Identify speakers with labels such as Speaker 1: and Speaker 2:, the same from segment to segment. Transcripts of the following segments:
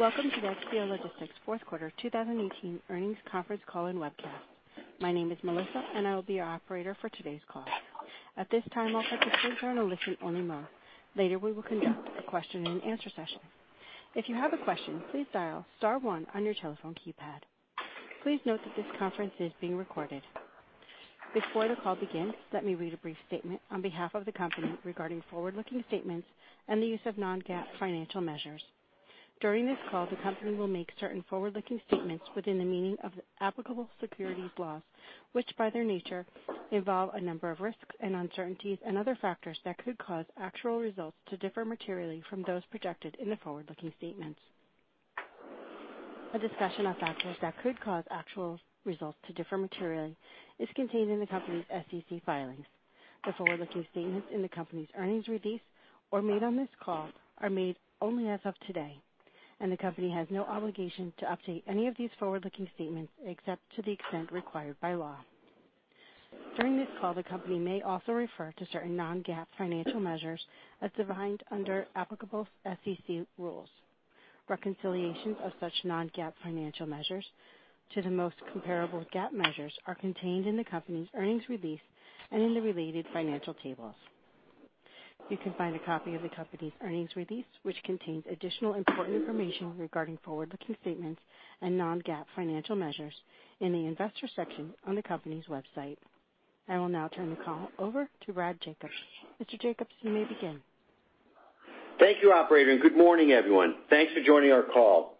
Speaker 1: Welcome to the XPO Logistics fourth quarter 2018 earnings conference call and webcast. My name is Melissa, and I will be your operator for today's call. At this time, I'll put you through to listen-only mode. Later, we will conduct a question and answer session. If you have a question, please dial star one on your telephone keypad. Please note that this conference is being recorded. Before the call begins, let me read a brief statement on behalf of the company regarding forward-looking statements and the use of non-GAAP financial measures. During this call, the company will make certain forward-looking statements within the meaning of the applicable securities laws, which by their nature, involve a number of risks and uncertainties and other factors that could cause actual results to differ materially from those projected in the forward-looking statements. A discussion of factors that could cause actual results to differ materially is contained in the company's SEC filings. The forward-looking statements in the company's earnings release or made on this call are made only as of today, and the company has no obligation to update any of these forward-looking statements except to the extent required by law. During this call, the company may also refer to certain non-GAAP financial measures as defined under applicable SEC rules. Reconciliations of such non-GAAP financial measures to the most comparable GAAP measures are contained in the company's earnings release and in the related financial tables. You can find a copy of the company's earnings release, which contains additional important information regarding forward-looking statements and non-GAAP financial measures in the investor section on the company's website. I will now turn the call over to Brad Jacobs. Mr. Jacobs, you may begin.
Speaker 2: Thank you, operator, and good morning, everyone. Thanks for joining our call.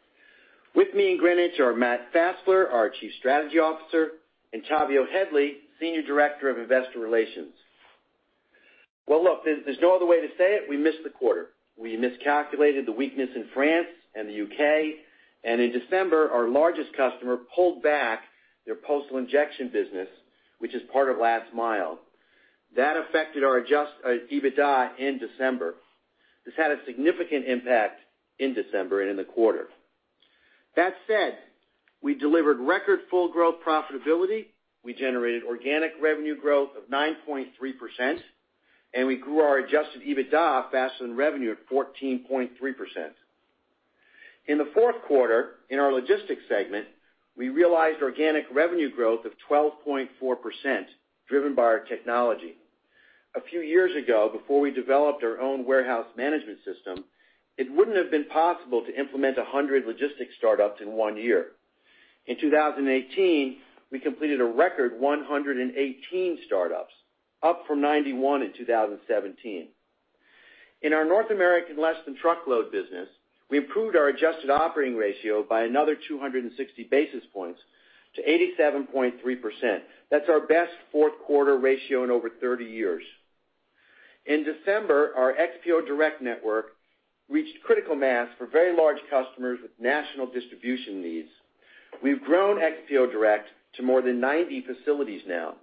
Speaker 2: With me in Greenwich are Matthew Fassler, our Chief Strategy Officer, and Tavio Headley, Senior Director of Investor Relations. Well, look, there's no other way to say it. We missed the quarter. We miscalculated the weakness in France and the U.K. In December, our largest customer pulled back their postal injection business, which is part of Last Mile. That affected our adjusted EBITDA in December. This had a significant impact in December and in the quarter. That said, we delivered record full growth profitability, we generated organic revenue growth of 9.3%, and we grew our adjusted EBITDA faster than revenue at 14.3%. In the fourth quarter, in our logistics segment, we realized organic revenue growth of 12.4%, driven by our technology. A few years ago, before we developed our own warehouse management system, it wouldn't have been possible to implement 100 logistics startups in one year. In 2018, we completed a record 118 startups, up from 91 in 2017. In our North American less than truckload business, we improved our adjusted operating ratio by another 260 basis points to 87.3%. That's our best fourth quarter ratio in over 30 years. In December, our XPO Direct network reached critical mass for very large customers with national distribution needs. We've grown XPO Direct to more than 90 facilities now.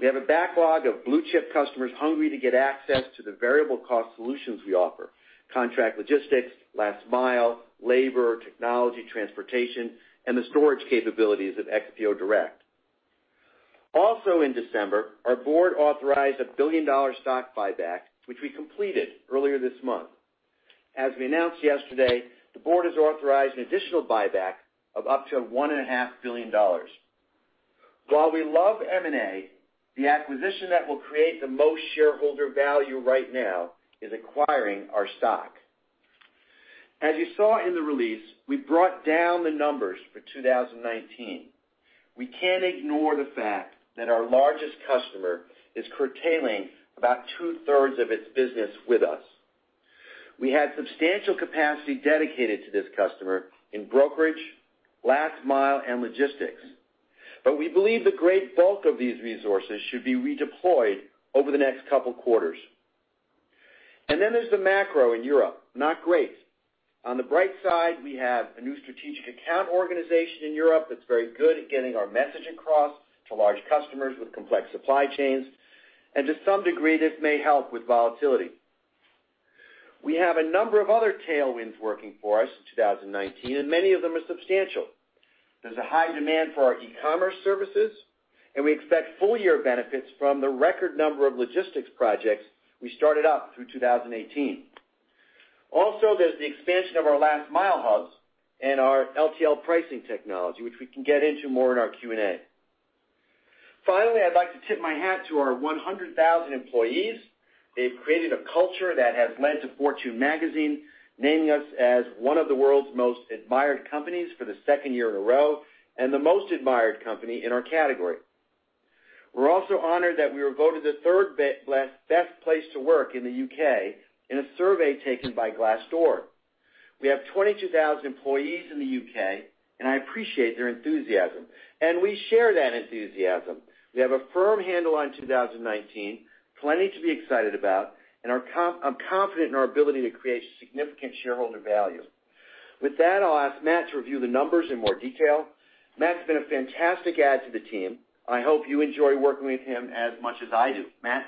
Speaker 2: We have a backlog of blue-chip customers hungry to get access to the variable cost solutions we offer, contract logistics, Last Mile, labor, technology, transportation, and the storage capabilities of XPO Direct. Also in December, our board authorized a billion-dollar stock buyback, which we completed earlier this month. As we announced yesterday, the board has authorized an additional buyback of up to $1.5 billion. While we love M&A, the acquisition that will create the most shareholder value right now is acquiring our stock. As you saw in the release, we brought down the numbers for 2019. We can't ignore the fact that our largest customer is curtailing about two-thirds of its business with us. We had substantial capacity dedicated to this customer in brokerage, Last Mile, and logistics. We believe the great bulk of these resources should be redeployed over the next couple quarters. There's the macro in Europe, not great. On the bright side, we have a new strategic account organization in Europe that's very good at getting our message across to large customers with complex supply chains. To some degree, this may help with volatility. We have a number of other tailwinds working for us in 2019. Many of them are substantial. There's a high demand for our e-commerce services. We expect full-year benefits from the record number of logistics projects we started up through 2018. Also, there's the expansion of our Last Mile hubs and our LTL pricing technology, which we can get into more in our Q&A. Finally, I'd like to tip my hat to our 100,000 employees. They've created a culture that has led to "Fortune" magazine naming us as one of the world's most admired companies for the second year in a row, and the most admired company in our category. We're also honored that we were voted the third-best place to work in the U.K. in a survey taken by Glassdoor. We have 22,000 employees in the U.K., and I appreciate their enthusiasm, and we share that enthusiasm. We have a firm handle on 2019, plenty to be excited about, and I'm confident in our ability to create significant shareholder value. With that, I'll ask Matt to review the numbers in more detail. Matt's been a fantastic add to the team. I hope you enjoy working with him as much as I do. Matt?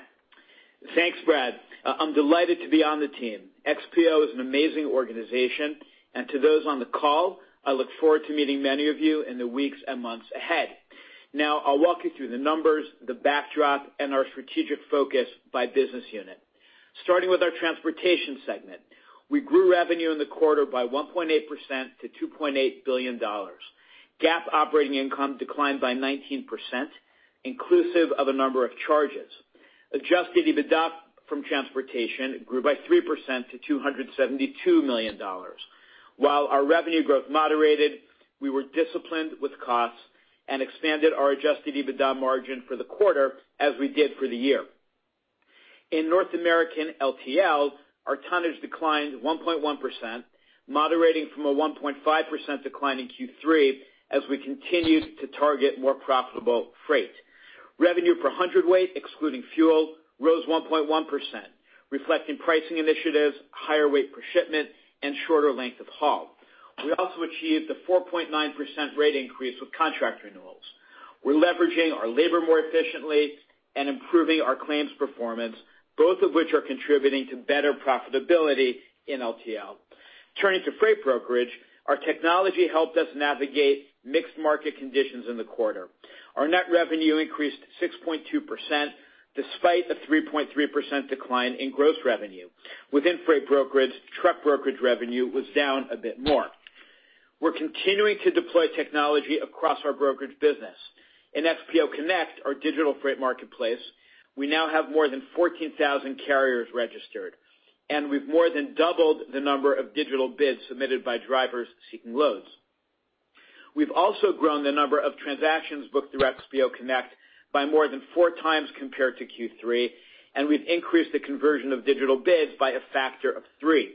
Speaker 3: Thanks, Brad. I'm delighted to be on the team. XPO is an amazing organization, and to those on the call, I look forward to meeting many of you in the weeks and months ahead. Now, I'll walk you through the numbers, the backdrop, and our strategic focus by business unit. Starting with our transportation segment. We grew revenue in the quarter by 1.8% to $2.8 billion. GAAP operating income declined by 19%, inclusive of a number of charges. Adjusted EBITDA from transportation grew by 3% to $272 million. While our revenue growth moderated, we were disciplined with costs and expanded our adjusted EBITDA margin for the quarter as we did for the year. In North American LTL, our tonnage declined 1.1%, moderating from a 1.5% decline in Q3 as we continued to target more profitable freight. Revenue per hundredweight, excluding fuel, rose 1.1%, reflecting pricing initiatives, higher weight per shipment, and shorter length of haul. We also achieved the 4.9% rate increase with contract renewals. We're leveraging our labor more efficiently and improving our claims performance, both of which are contributing to better profitability in LTL. Turning to freight brokerage, our technology helped us navigate mixed market conditions in the quarter. Our net revenue increased 6.2%, despite a 3.3% decline in gross revenue. Within freight brokerage, truck brokerage revenue was down a bit more. We're continuing to deploy technology across our brokerage business. In XPO Connect, our digital freight marketplace, we now have more than 14,000 carriers registered, and we've more than doubled the number of digital bids submitted by drivers seeking loads. We've also grown the number of transactions booked through XPO Connect by more than four times compared to Q3, and we've increased the conversion of digital bids by a factor of three.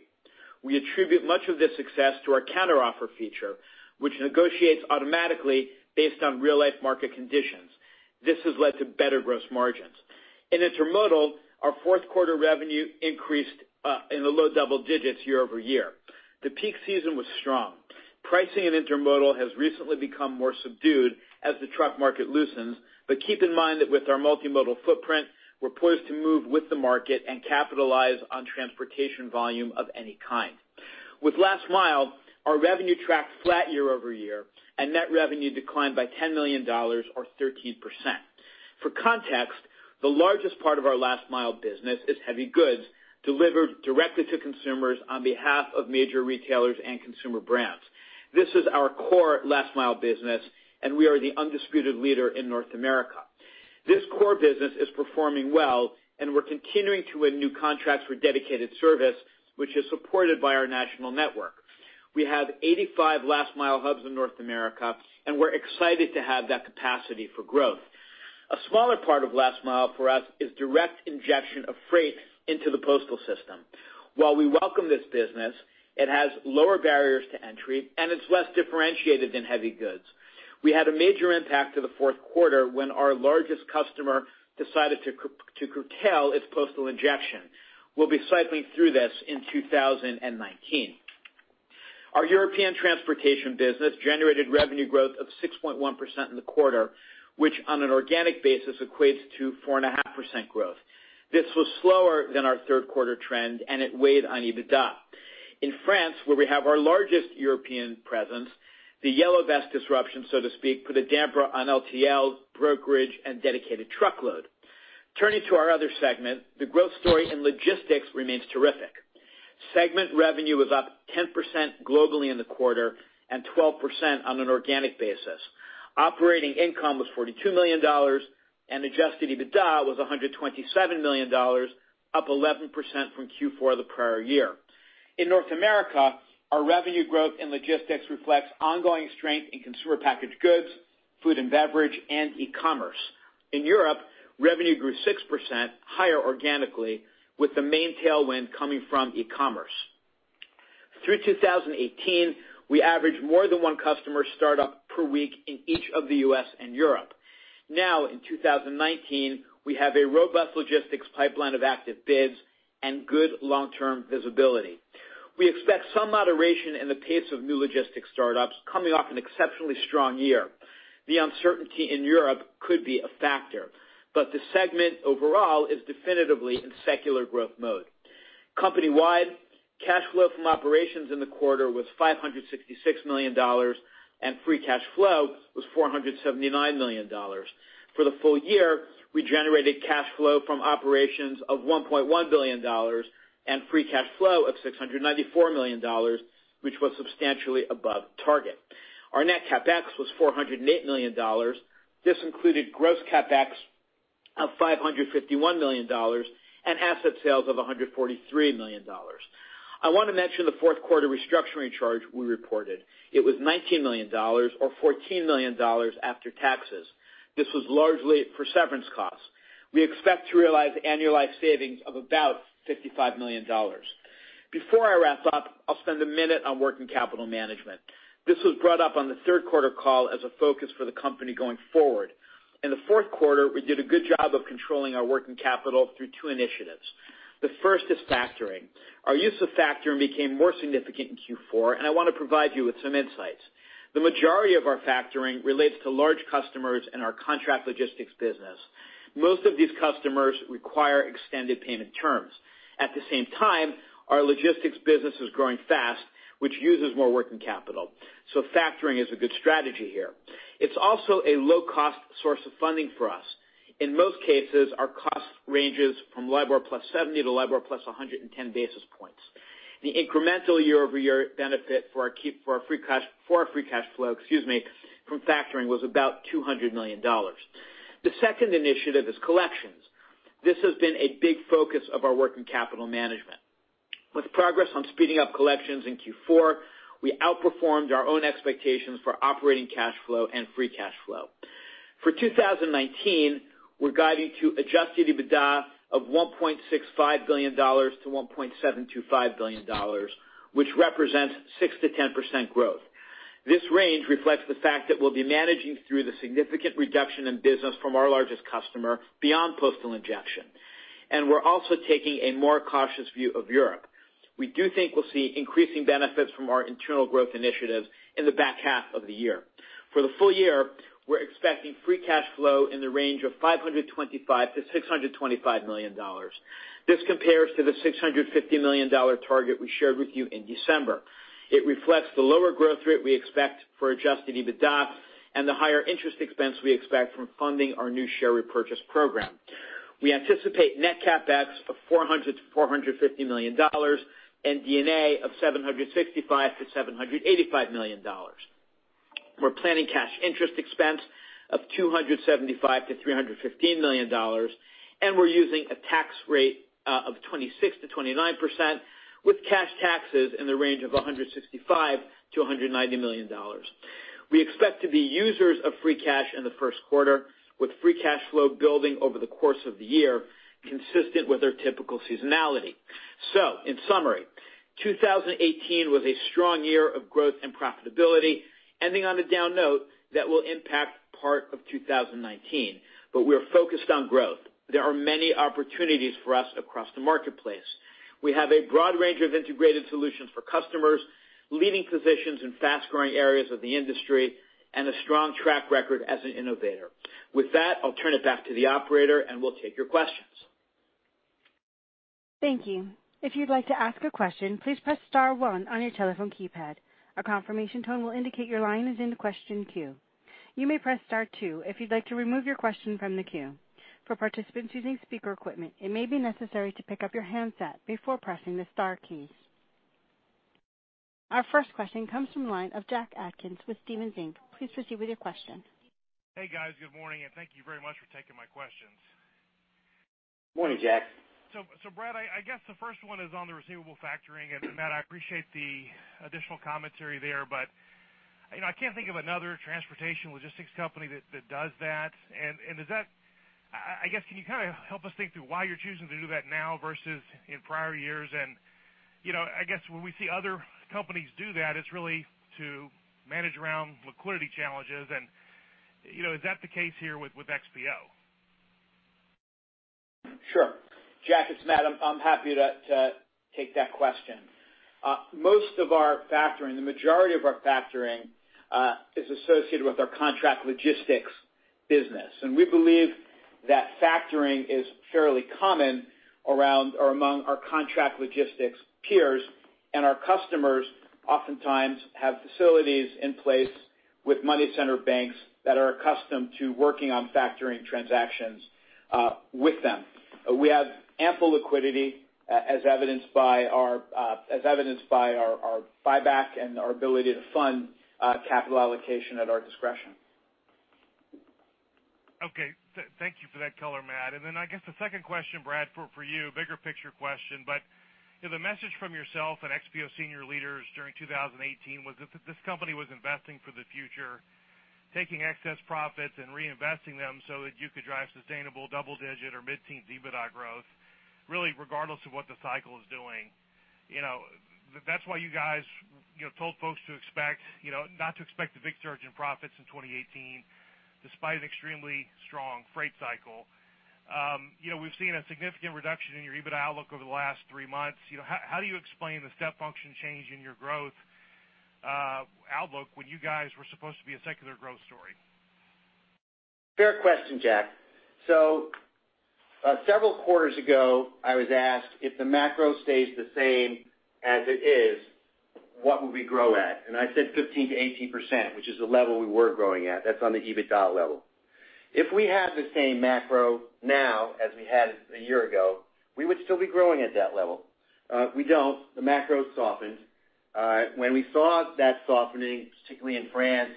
Speaker 3: We attribute much of this success to our counteroffer feature, which negotiates automatically based on real-life market conditions. This has led to better gross margins. In Intermodal, our fourth quarter revenue increased in the low double digits year-over-year. The peak season was strong. Pricing in Intermodal has recently become more subdued as the truck market loosens. Keep in mind that with our multimodal footprint, we're poised to move with the market and capitalize on transportation volume of any kind. With Last Mile, our revenue tracked flat year-over-year, and net revenue declined by $10 million or 13%. For context, the largest part of our Last Mile business is heavy goods delivered directly to consumers on behalf of major retailers and consumer brands. This is our core Last Mile business, and we are the undisputed leader in North America. This core business is performing well, and we're continuing to win new contracts for dedicated service, which is supported by our national network. We have 85 Last Mile hubs in North America, and we're excited to have that capacity for growth. A smaller part of Last Mile for us is direct injection of freight into the postal system. While we welcome this business, it has lower barriers to entry. It's less differentiated than heavy goods. We had a major impact to the fourth quarter when our largest customer decided to curtail its postal injection. We'll be cycling through this in 2019. Our European transportation business generated revenue growth of 6.1% in the quarter, which on an organic basis equates to 4.5% growth. This was slower than our third quarter trend. It weighed on EBITDA. In France, where we have our largest European presence, the yellow vest disruption, so to speak, put a damper on LTL, brokerage, and dedicated truckload. Turning to our other segment, the growth story in logistics remains terrific. Segment revenue was up 10% globally in the quarter and 12% on an organic basis. Operating income was $42 million. Adjusted EBITDA was $127 million, up 11% from Q4 the prior year. In North America, our revenue growth in logistics reflects ongoing strength in consumer packaged goods, food and beverage, and e-commerce. In Europe, revenue grew 6%, higher organically, with the main tailwind coming from e-commerce. Through 2018, we averaged more than one customer startup per week in each of the U.S. and Europe. In 2019, we have a robust logistics pipeline of active bids and good long-term visibility. We expect some moderation in the pace of new logistics startups coming off an exceptionally strong year. The uncertainty in Europe could be a factor. The segment overall is definitively in secular growth mode. Company-wide, cash flow from operations in the quarter was $566 million. Free cash flow was $479 million. For the full year, we generated cash flow from operations of $1.1 billion. Free cash flow of $694 million, which was substantially above target. Our net CapEx was $408 million. This included gross CapEx of $551 million. Asset sales of $143 million. I want to mention the fourth quarter restructuring charge we reported. It was $19 million, or $14 million after taxes. This was largely for severance costs. We expect to realize annualized savings of about $55 million. Before I wrap up, I'll spend a minute on working capital management. This was brought up on the third quarter call as a focus for the company going forward. In the fourth quarter, we did a good job of controlling our working capital through two initiatives. The first is factoring. Our use of factoring became more significant in Q4. I want to provide you with some insights. The majority of our factoring relates to large customers in our contract logistics business. Most of these customers require extended payment terms. At the same time, our logistics business is growing fast, which uses more working capital. Factoring is a good strategy here. It's also a low-cost source of funding for us. In most cases, our cost ranges from LIBOR plus 70 to LIBOR plus 110 basis points. The incremental year-over-year benefit for our free cash flow from factoring was about $200 million. The second initiative is collections. This has been a big focus of our work in capital management. With progress on speeding up collections in Q4, we outperformed our own expectations for operating cash flow and free cash flow. For 2019, we're guiding to adjusted EBITDA of $1.65 billion-$1.725 billion, which represents 6%-10% growth. This range reflects the fact that we'll be managing through the significant reduction in business from our largest customer beyond postal injection. We're also taking a more cautious view of Europe. We do think we'll see increasing benefits from our internal growth initiatives in the back half of the year. For the full year, we're expecting free cash flow in the range of $525 million-$625 million. This compares to the $650 million target we shared with you in December. It reflects the lower growth rate we expect for adjusted EBITDA. The higher interest expense we expect from funding our new share repurchase program. We anticipate net CapEx of $400 million-$450 million. DNA of $765 million-$785 million. We're planning cash interest expense of $275 million-$315 million, we're using a tax rate of 26%-29% with cash taxes in the range of $165 million-$190 million. We expect to be users of free cash in the first quarter, with free cash flow building over the course of the year, consistent with our typical seasonality. In summary, 2018 was a strong year of growth and profitability, ending on a down note that will impact part of 2019. We are focused on growth. There are many opportunities for us across the marketplace. We have a broad range of integrated solutions for customers, leading positions in fast-growing areas of the industry, and a strong track record as an innovator. With that, I'll turn it back to the operator, and we'll take your questions.
Speaker 1: Thank you. If you'd like to ask a question, please press *1 on your telephone keypad. A confirmation tone will indicate your line is in the question queue. You may press *2 if you'd like to remove your question from the queue. For participants using speaker equipment, it may be necessary to pick up your handset before pressing the star keys. Our first question comes from the line of Jack Atkins with Stephens Inc. Please proceed with your question.
Speaker 4: Hey, guys. Good morning, and thank you very much for taking my questions.
Speaker 3: Morning, Jack.
Speaker 4: Brad, I guess the first one is on the receivable factoring. Matt, I appreciate the additional commentary there, but I can't think of another transportation logistics company that does that. I guess, can you help us think through why you're choosing to do that now versus in prior years? I guess when we see other companies do that, it's really to manage around liquidity challenges. Is that the case here with XPO?
Speaker 3: Sure. Jack, it's Matt. I'm happy to take that question. Most of our factoring, the majority of our factoring, is associated with our contract logistics business. We believe that factoring is fairly common around or among our contract logistics peers, and our customers oftentimes have facilities in place with money center banks that are accustomed to working on factoring transactions with them. We have ample liquidity as evidenced by our buyback and our ability to fund capital allocation at our discretion.
Speaker 4: Okay. Thank you for that color, Matt. Then I guess the second question, Brad, for you, bigger picture question, the message from yourself and XPO senior leaders during 2018 was that this company was investing for the future, taking excess profits and reinvesting them so that you could drive sustainable double-digit or mid-teen EBITDA growth, really regardless of what the cycle is doing. That's why you guys told folks not to expect a big surge in profits in 2018, despite an extremely strong freight cycle. We've seen a significant reduction in your EBITDA outlook over the last three months. How do you explain the step function change in your growth outlook when you guys were supposed to be a secular growth story?
Speaker 2: Fair question, Jack. Several quarters ago, I was asked if the macro stays the same as it is, what would we grow at? I said 15%-18%, which is the level we were growing at. That's on the EBITDA level. If we had the same macro now as we had a year ago, we would still be growing at that level. We don't. The macro softened. We saw that softening, particularly in France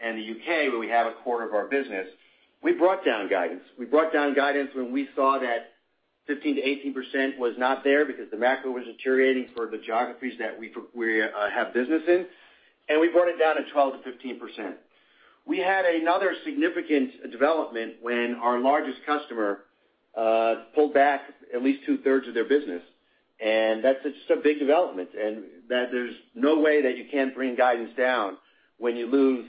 Speaker 2: and the U.K., where we have a quarter of our business, we brought down guidance. We brought down guidance when we saw that 15%-18% was not there because the macro was deteriorating for the geographies that we have business in, we brought it down to 12%-15%. We had another significant development when our largest customer pulled back at least two-thirds of their business. That's just a big development. There's no way that you can't bring guidance down when you lose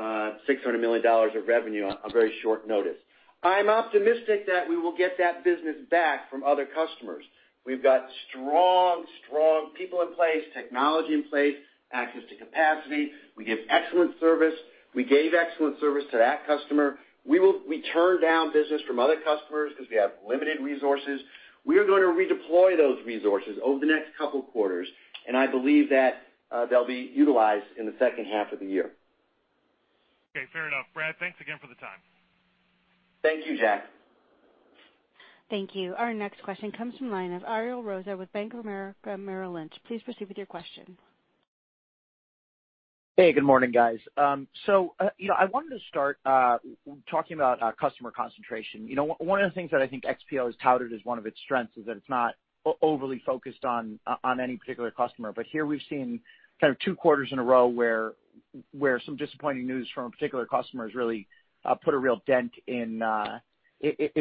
Speaker 2: $600 million of revenue on very short notice. I'm optimistic that we will get that business back from other customers. We've got strong people in place, technology in place, access to capacity. We give excellent service. We gave excellent service to that customer. We turned down business from other customers because we have limited resources. We are going to redeploy those resources over the next couple quarters, and I believe that they'll be utilized in the second half of the year.
Speaker 4: Okay, fair enough. Brad, thanks again for the time.
Speaker 2: Thank you, Jack.
Speaker 1: Thank you. Our next question comes from line of Ariel Rosa with Bank of America Merrill Lynch. Please proceed with your question.
Speaker 5: Hey, good morning, guys. I wanted to start talking about customer concentration. One of the things that I think XPO has touted as one of its strengths is that it's not overly focused on any particular customer. Here we've seen kind of two quarters in a row where some disappointing news from a particular customer has really put a real dent in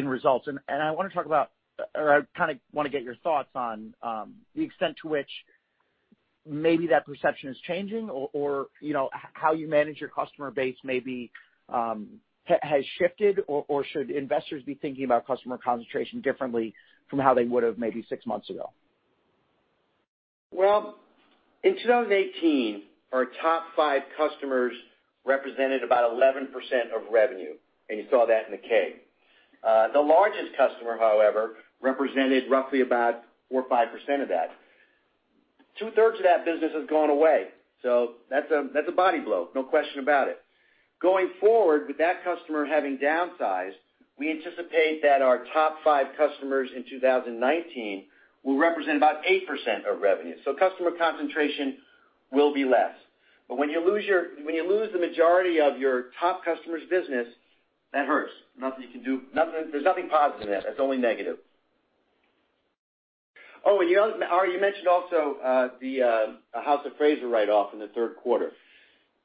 Speaker 5: results. I want to talk about, or I kind of want to get your thoughts on the extent to which maybe that perception is changing, or how you manage your customer base maybe has shifted, or should investors be thinking about customer concentration differently from how they would have maybe six months ago?
Speaker 2: In 2018, our top five customers represented about 11% of revenue, and you saw that in the K. The largest customer, however, represented roughly about 4% or 5% of that. Two-thirds of that business has gone away, that's a body blow, no question about it. Going forward, with that customer having downsized, we anticipate that our top five customers in 2019 will represent about 8% of revenue. Customer concentration will be less. When you lose the majority of your top customer's business, that hurts. Nothing you can do. There's nothing positive in that. That's only negative. Ari, you mentioned also the House of Fraser write-off in the third quarter.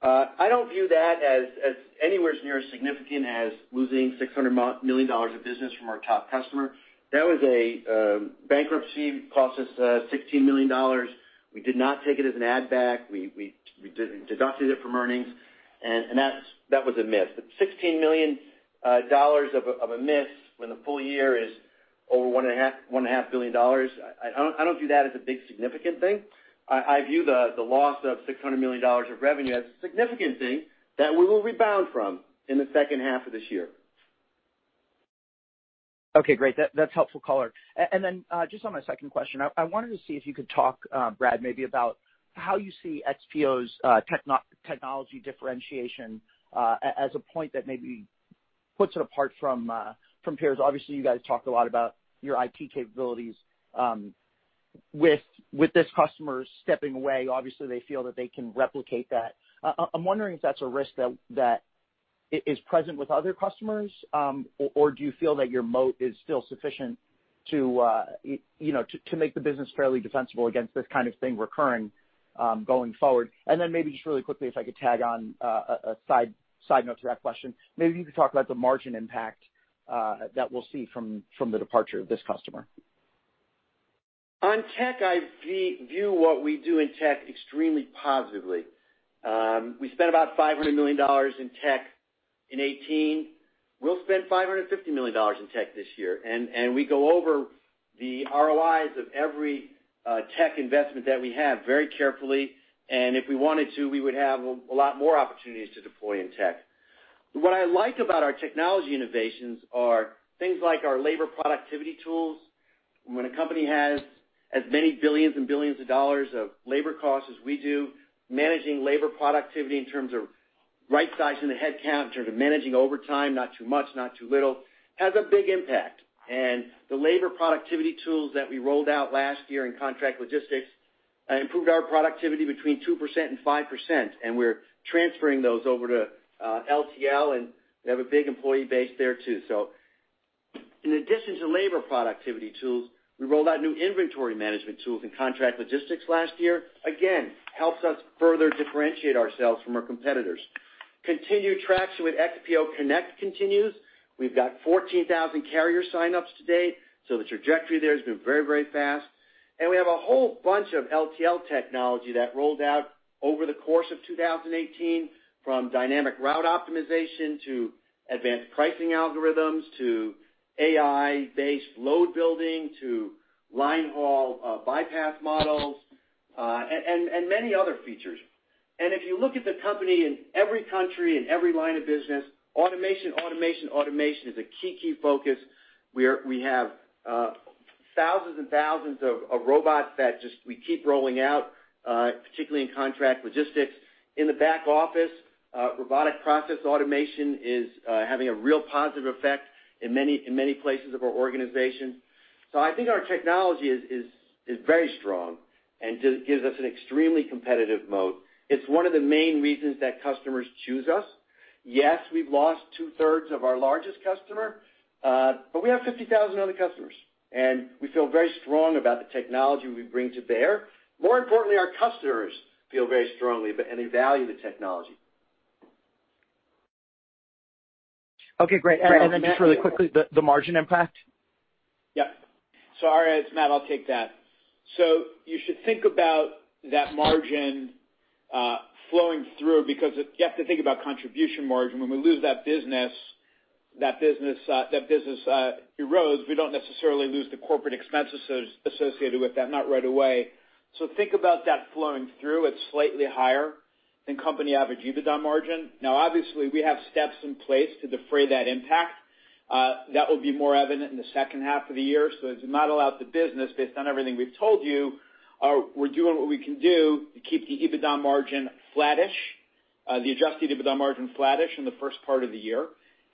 Speaker 2: I don't view that as anywhere near as significant as losing $600 million of business from our top customer. That was a bankruptcy, cost us $16 million. We did not take it as an add back. We deducted it from earnings, that was a miss. $16 million of a miss when the full year is over $1.5 billion, I don't view that as a big significant thing. I view the loss of $600 million of revenue as a significant thing that we will rebound from in the second half of this year.
Speaker 5: Okay, great. That's helpful color. Just on my second question, I wanted to see if you could talk, Brad, maybe about how you see XPO's technology differentiation as a point that maybe puts it apart from peers. Obviously, you guys talked a lot about your IT capabilities. With this customer stepping away, obviously they feel that they can replicate that. I'm wondering if that's a risk that is present with other customers. Do you feel that your moat is still sufficient to make the business fairly defensible against this kind of thing recurring going forward? Maybe just really quickly, if I could tag on a side note to that question, maybe you could talk about the margin impact that we'll see from the departure of this customer.
Speaker 2: On tech, I view what we do in tech extremely positively. We spent about $500 million in tech in 2018. We'll spend $550 million in tech this year. We go over the ROIs of every tech investment that we have very carefully. If we wanted to, we would have a lot more opportunities to deploy in tech. What I like about our technology innovations are things like our labor productivity tools. When a company has as many billions and billions of dollars of labor costs as we do, managing labor productivity in terms of right-sizing the headcount, in terms of managing overtime, not too much, not too little, has a big impact. The labor productivity tools that we rolled out last year in contract logistics improved our productivity between 2%-5%, and we're transferring those over to LTL, and they have a big employee base there, too. In addition to labor productivity tools, we rolled out new inventory management tools in contract logistics last year. Helps us further differentiate ourselves from our competitors. Continued traction with XPO Connect continues. We've got 14,000 carrier sign-ups to date, the trajectory there has been very, very fast. We have a whole bunch of LTL technology that rolled out over the course of 2018, from dynamic route optimization to advanced pricing algorithms to AI-based load building to line haul bypass models, and many other features. If you look at the company in every country, in every line of business, automation, automation is a key focus. We have thousands and thousands of robots that we keep rolling out, particularly in contract logistics. In the back office, robotic process automation is having a real positive effect in many places of our organization. I think our technology is very strong and just gives us an extremely competitive moat. It's one of the main reasons that customers choose us. Yes, we've lost two-thirds of our largest customer. We have 50,000 other customers, and we feel very strong about the technology we bring to bear. More importantly, our customers feel very strongly, and they value the technology.
Speaker 5: Okay, great. Just really quickly, the margin impact?
Speaker 3: Yeah. Ari, it's Matt, I'll take that. You should think about that margin flowing through because you have to think about contribution margin. When we lose that business, that business erodes. We don't necessarily lose the corporate expenses associated with that, not right away. Think about that flowing through. It's slightly higher than company average EBITDA margin. Obviously, we have steps in place to defray that impact. That will be more evident in the second half of the year. As we model out the business based on everything we've told you, we're doing what we can do to keep the EBITDA margin flattish, the adjusted EBITDA margin flattish in the first part of the year.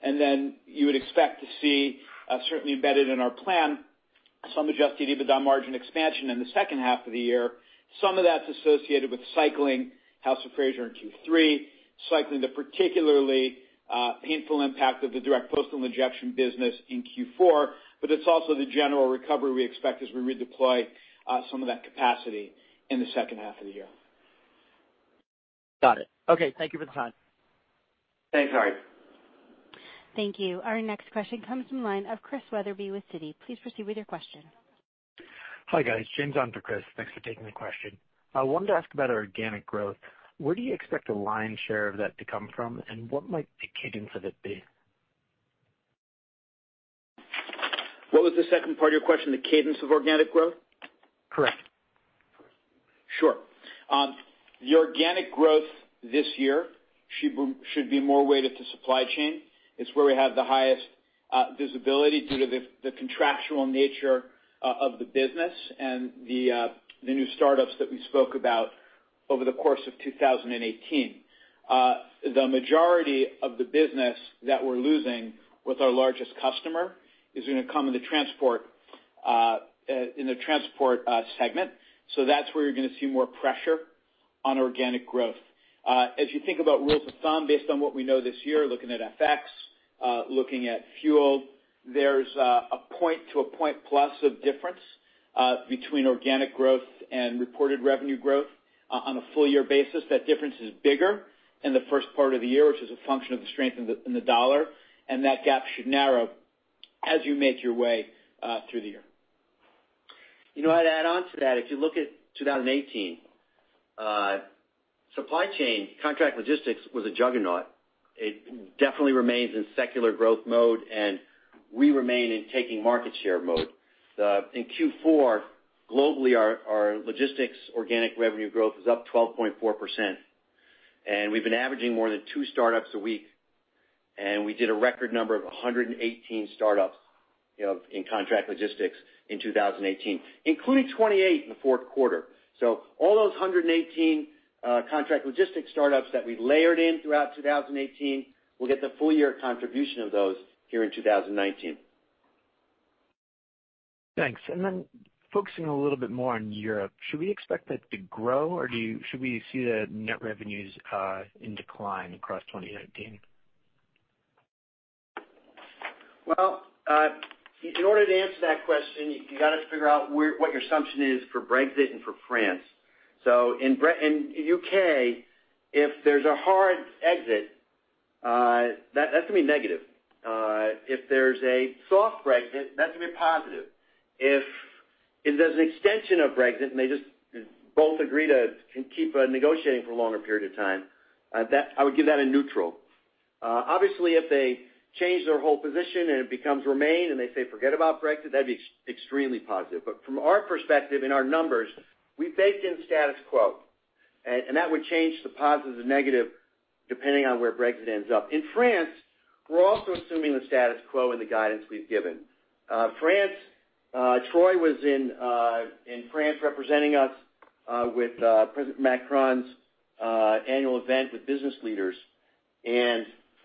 Speaker 3: You would expect to see, certainly embedded in our plan, some adjusted EBITDA margin expansion in the second half of the year. Some of that's associated with cycling House of Fraser in Q3, cycling the particularly painful impact of the direct postal injection business in Q4, it's also the general recovery we expect as we redeploy some of that capacity in the second half of the year.
Speaker 5: Got it. Thank you for the time.
Speaker 3: Thanks, Ari.
Speaker 1: Thank you. Our next question comes from the line of Christian Wetherbee with Citi. Please proceed with your question.
Speaker 6: Hi, guys. James on for Chris. Thanks for taking the question. I wanted to ask about organic growth. Where do you expect the lion's share of that to come from, and what might the cadence of it be?
Speaker 3: What was the second part of your question? The cadence of organic growth?
Speaker 6: Correct.
Speaker 3: Sure. The organic growth this year should be more weighted to supply chain. It's where we have the highest visibility due to the contractual nature of the business and the new startups that we spoke about over the course of 2018. The majority of the business that we're losing with our largest customer is going to come in the transport segment. That's where you're going to see more pressure on organic growth. As you think about rules of thumb based on what we know this year, looking at FX, looking at fuel, there's a point to a point plus of difference between organic growth and reported revenue growth. On a full year basis, that difference is bigger in the first part of the year, which is a function of the strength in the dollar, and that gap should narrow as you make your way through the year.
Speaker 2: I'd add on to that. If you look at 2018, supply chain contract logistics was a juggernaut. It definitely remains in secular growth mode. We remain in taking market share mode. In Q4, globally, our logistics organic revenue growth was up 12.4%. We've been averaging more than two startups a week. We did a record number of 118 startups in contract logistics in 2018, including 28 in the fourth quarter. All those 118 contract logistics startups that we layered in throughout 2018, we'll get the full year contribution of those here in 2019.
Speaker 6: Thanks. Focusing a little bit more on Europe, should we expect that to grow, or should we see the net revenues in decline across 2019?
Speaker 2: Well, in order to answer that question, you got to figure out what your assumption is for Brexit and for France. In U.K., if there's a hard exit, that's going to be negative. If there's a soft Brexit, that's going to be positive. If there's an extension of Brexit, and they just both agree to keep negotiating for a longer period of time, I would give that a neutral. Obviously, if they change their whole position and it becomes remain, and they say forget about Brexit, that'd be extremely positive. From our perspective, in our numbers, we've baked in status quo, and that would change to positive to negative, depending on where Brexit ends up. In France, we're also assuming the status quo in the guidance we've given. France, Troy was in France representing us with President Macron's annual event with business leaders.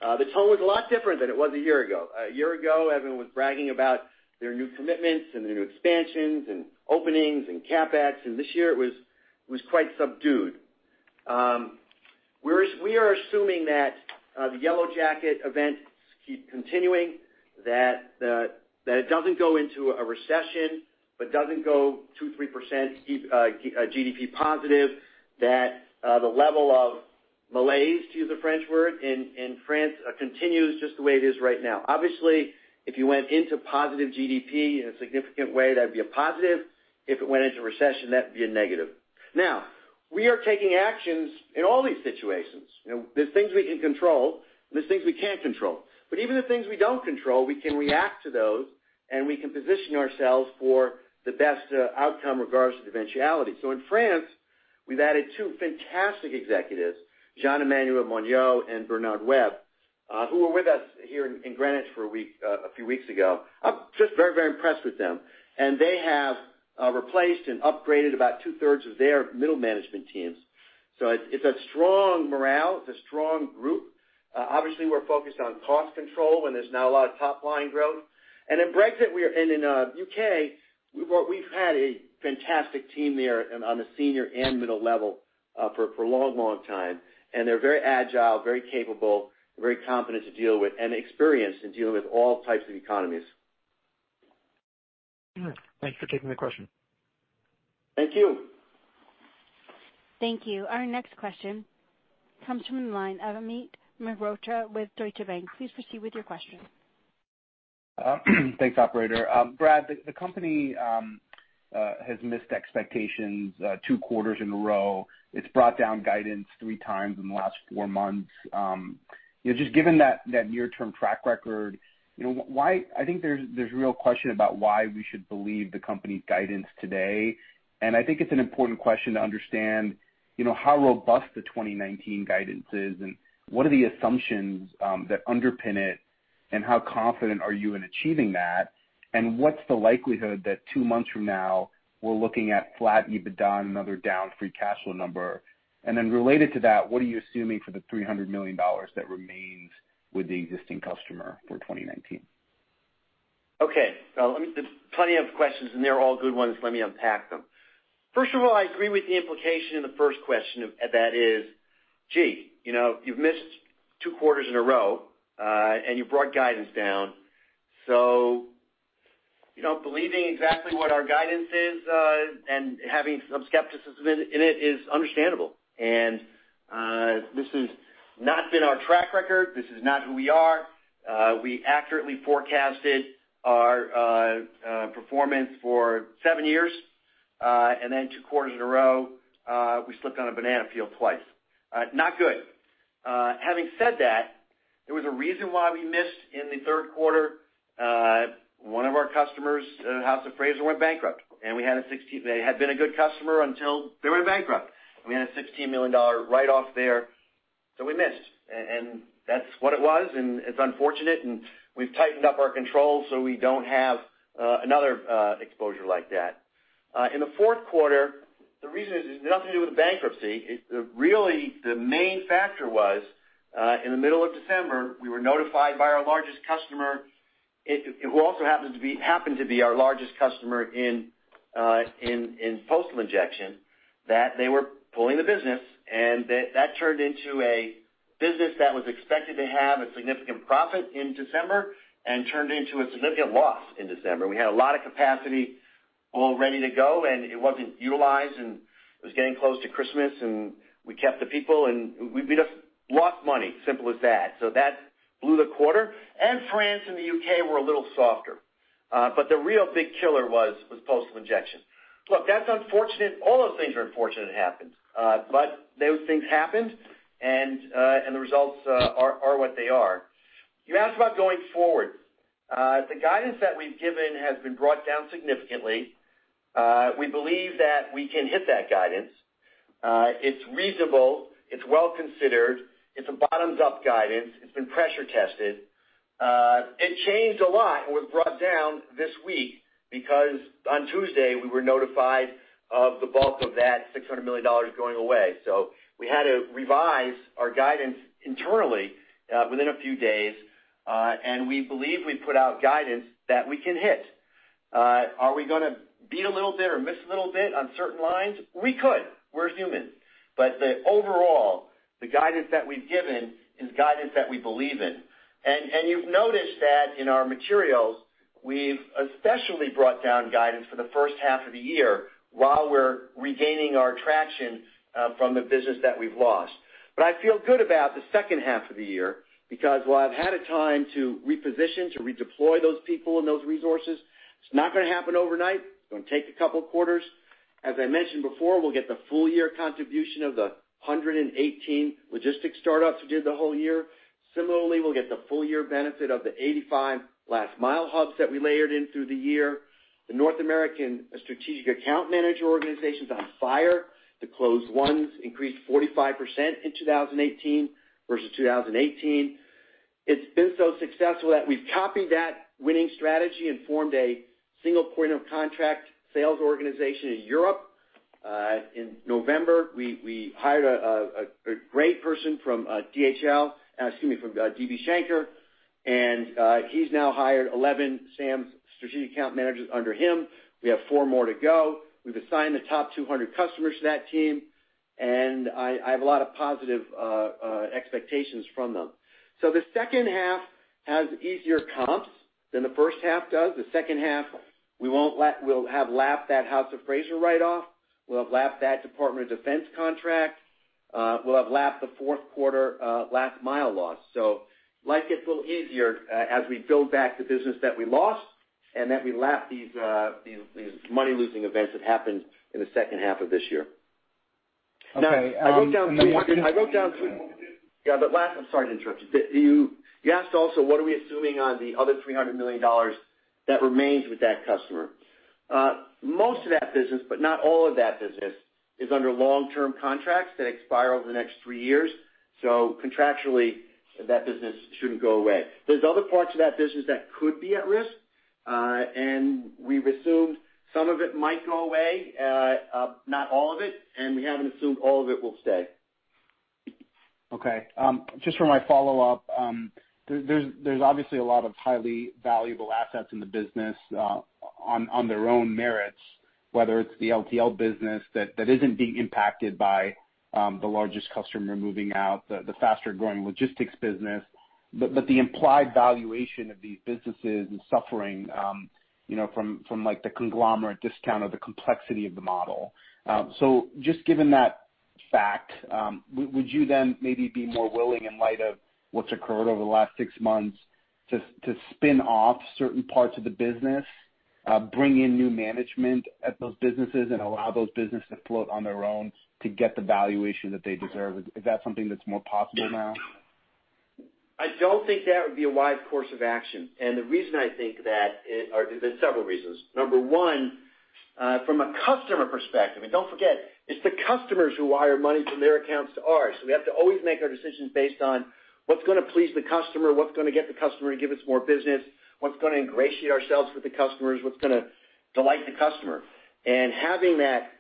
Speaker 2: The tone was a lot different than it was a year ago. A year ago, everyone was bragging about their new commitments and their new expansions and openings and CapEx, and this year it was quite subdued. We are assuming that the yellow jacket events keep continuing, that it doesn't go into a recession, but doesn't go 2%, 3% GDP positive, that the level of malaise, to use a French word, in France continues just the way it is right now. Obviously, if you went into positive GDP in a significant way, that'd be a positive. If it went into recession, that'd be a negative. We are taking actions in all these situations. There's things we can control, and there's things we can't control. Even the things we don't control, we can react to those, and we can position ourselves for the best outcome regardless of eventuality. In France, we've added two fantastic executives, Jean-Emmanuel Morneau and Bernard Webb, who were with us here in Greenwich a few weeks ago. I'm just very impressed with them. They have replaced and upgraded about two-thirds of their middle management teams. It's a strong morale. It's a strong group. Obviously, we're focused on cost control when there's not a lot of top-line growth. In Brexit, we are in U.K. We've had a fantastic team there on the senior and middle level for a long time, and they're very agile, very capable, very competent to deal with, and experienced in dealing with all types of economies.
Speaker 6: Thanks for taking the question.
Speaker 3: Thank you.
Speaker 1: Thank you. Our next question comes from the line of Amit Mehrotra with Deutsche Bank. Please proceed with your question.
Speaker 7: Thanks, operator. Brad, the company has missed expectations two quarters in a row. It's brought down guidance three times in the last four months. Just given that near-term track record, I think there's a real question about why we should believe the company's guidance today, and I think it's an important question to understand how robust the 2019 guidance is, and what are the assumptions that underpin it. How confident are you in achieving that? What's the likelihood that two months from now, we're looking at flat EBITDA and another down free cash flow number? Related to that, what are you assuming for the $300 million that remains with the existing customer for 2019?
Speaker 2: Okay. Let me unpack them. First of all, I agree with the implication in the first question, and that is, gee, you've missed two quarters in a row, and you brought guidance down. Believing exactly what our guidance is, and having some skepticism in it is understandable. This has not been our track record. This is not who we are. We accurately forecasted our performance for seven years, then two quarters in a row, we slipped on a banana peel twice. Not good. Having said that, there was a reason why we missed in the third quarter. One of our customers, House of Fraser, went bankrupt. They had been a good customer until they went bankrupt. We had a $16 million write-off there, so we missed. That's what it was, and it's unfortunate, and we've tightened up our controls so we don't have another exposure like that. In the fourth quarter, the reason is nothing to do with the bankruptcy. Really, the main factor was, in the middle of December, we were notified by our largest customer, who also happened to be our largest customer in postal injection, that they were pulling the business, and that turned into a business that was expected to have a significant profit in December and turned into a significant loss in December. We had a lot of capacity all ready to go, and it wasn't utilized, and it was getting close to Christmas, and we kept the people, and we just lost money, simple as that. That blew the quarter, France and the U.K. were a little softer. The real big killer was postal injection. Look, that's unfortunate. All those things are unfortunate it happened. Those things happened, and the results are what they are. You asked about going forward. The guidance that we've given has been brought down significantly. We believe that we can hit that guidance. It's reasonable. It's well considered. It's a bottoms-up guidance. It's been pressure tested. It changed a lot and was brought down this week because on Tuesday, we were notified of the bulk of that $600 million going away. We had to revise our guidance internally within a few days, and we believe we put out guidance that we can hit. Are we going to be a little bit or miss a little bit on certain lines? We could. We're human. Overall, the guidance that we've given is guidance that we believe in. You've noticed that in our materials, we've especially brought down guidance for the first half of the year while we're regaining our traction from the business that we've lost. I feel good about the second half of the year because while I've had a time to reposition, to redeploy those people and those resources, it's not going to happen overnight. It's going to take a couple of quarters. As I mentioned before, we'll get the full year contribution of the 118 logistics startups we did the whole year. Similarly, we'll get the full year benefit of the 85 Last Mile hubs that we layered in through the year. The North American strategic account manager organization's on fire. The closed ones increased 45% in 2018 versus 2017. It's been so successful that we've copied that winning strategy and formed a single point of contract sales organization in Europe. In November, we hired a great person from DHL, excuse me, from DB Schenker, and he's now hired 11 SAMs, strategic account managers, under him. We have four more to go. We've assigned the top 200 customers to that team, and I have a lot of positive expectations from them. The second half has easier comps than the first half does. The second half, we'll have lapped that House of Fraser write-off. We'll have lapped that Department of Defense contract. We'll have lapped the fourth quarter Last Mile loss. Life gets a little easier as we build back the business that we lost and that we lap these money-losing events that happened in the second half of this year.
Speaker 7: Okay. One more thing.
Speaker 2: I broke down two. Yeah, but last, I'm sorry to interrupt you. You asked also, what are we assuming on the other $300 million that remains with that customer? Most of that business, but not all of that business, is under long-term contracts that expire over the next three years. Contractually, that business shouldn't go away. There's other parts of that business that could be at risk. We've assumed some of it might go away, not all of it, and we haven't assumed all of it will stay.
Speaker 7: Okay. Just for my follow-up. There's obviously a lot of highly valuable assets in the business on their own merits, whether it's the LTL business that isn't being impacted by the largest customer moving out, the faster-growing logistics business. The implied valuation of these businesses is suffering from the conglomerate discount or the complexity of the model. Just given that fact, would you then maybe be more willing, in light of what's occurred over the last six months, to spin off certain parts of the business, bring in new management at those businesses, and allow those businesses to float on their own to get the valuation that they deserve? Is that something that's more possible now?
Speaker 2: I don't think that would be a wise course of action. The reason I think that is there's several reasons. Number one, from a customer perspective, and don't forget, it's the customers who wire money from their accounts to ours. We have to always make our decisions based on what's going to please the customer, what's going to get the customer to give us more business, what's going to ingratiate ourselves with the customers, what's going to delight the customer. Having that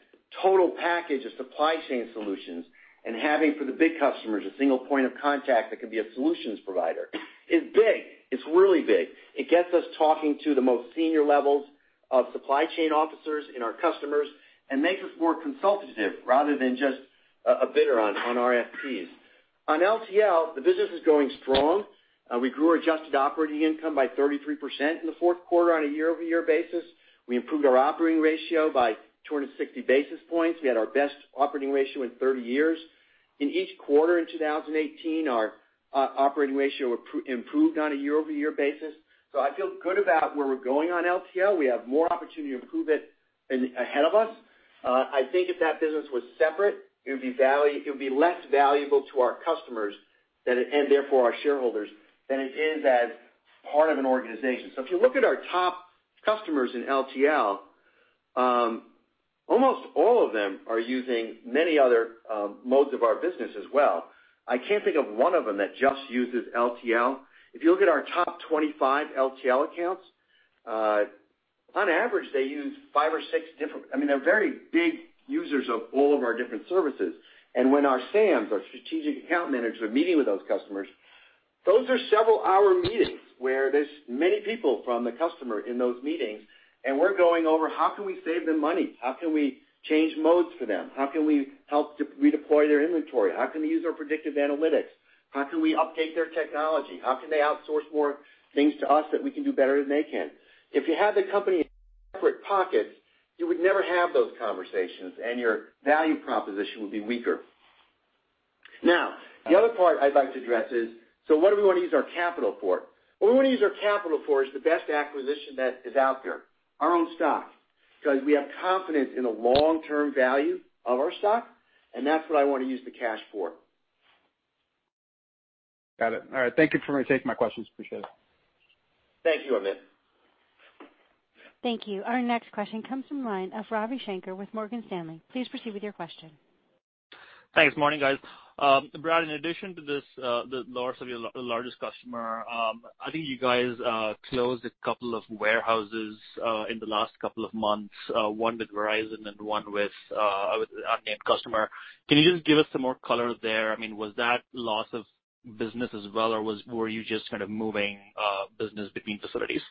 Speaker 2: total package of supply chain solutions and having for the big customers, a single point of contact that can be a solutions provider is big. It's really big. It gets us talking to the most senior levels of supply chain officers in our customers and makes us more consultative rather than just a bidder on RFPs. On LTL, the business is going strong. We grew our adjusted operating income by 33% in the fourth quarter on a year-over-year basis. We improved our operating ratio by 260 basis points. We had our best operating ratio in 30 years. In each quarter in 2018, our operating ratio improved on a year-over-year basis. I feel good about where we're going on LTL. We have more opportunity to improve it ahead of us. I think if that business was separate, it would be less valuable to our customers and therefore our shareholders than it is as part of an organization. If you look at our top customers in LTL, almost all of them are using many other modes of our business as well. I can't think of one of them that just uses LTL. If you look at our top 25 LTL accounts, on average, they use five or six different, they're very big users of all of our different services. When our SAM, our Strategic Account Managers, are meeting with those customers, those are several-hour meetings where there's many people from the customer in those meetings, and we're going over how can we save them money? How can we change modes for them? How can we help redeploy their inventory? How can we use our predictive analytics? How can we update their technology? How can they outsource more things to us that we can do better than they can? If you had the company in separate pockets, you would never have those conversations, and your value proposition would be weaker. The other part I'd like to address is, what do we want to use our capital for? What we want to use our capital for is the best acquisition that is out there, our own stock, because we have confidence in the long-term value of our stock, and that's what I want to use the cash for.
Speaker 7: Got it. All right. Thank you for taking my questions. Appreciate it.
Speaker 2: Thank you, Amit.
Speaker 1: Thank you. Our next question comes from the line of Ravi Shanker with Morgan Stanley. Please proceed with your question.
Speaker 8: Thanks. Morning, guys. Brad, in addition to the loss of your largest customer, I think you guys closed a couple of warehouses in the last couple of months, one with Verizon and one with an unnamed customer. Can you just give us some more color there? Was that loss of business as well, or were you just kind of moving business between facilities?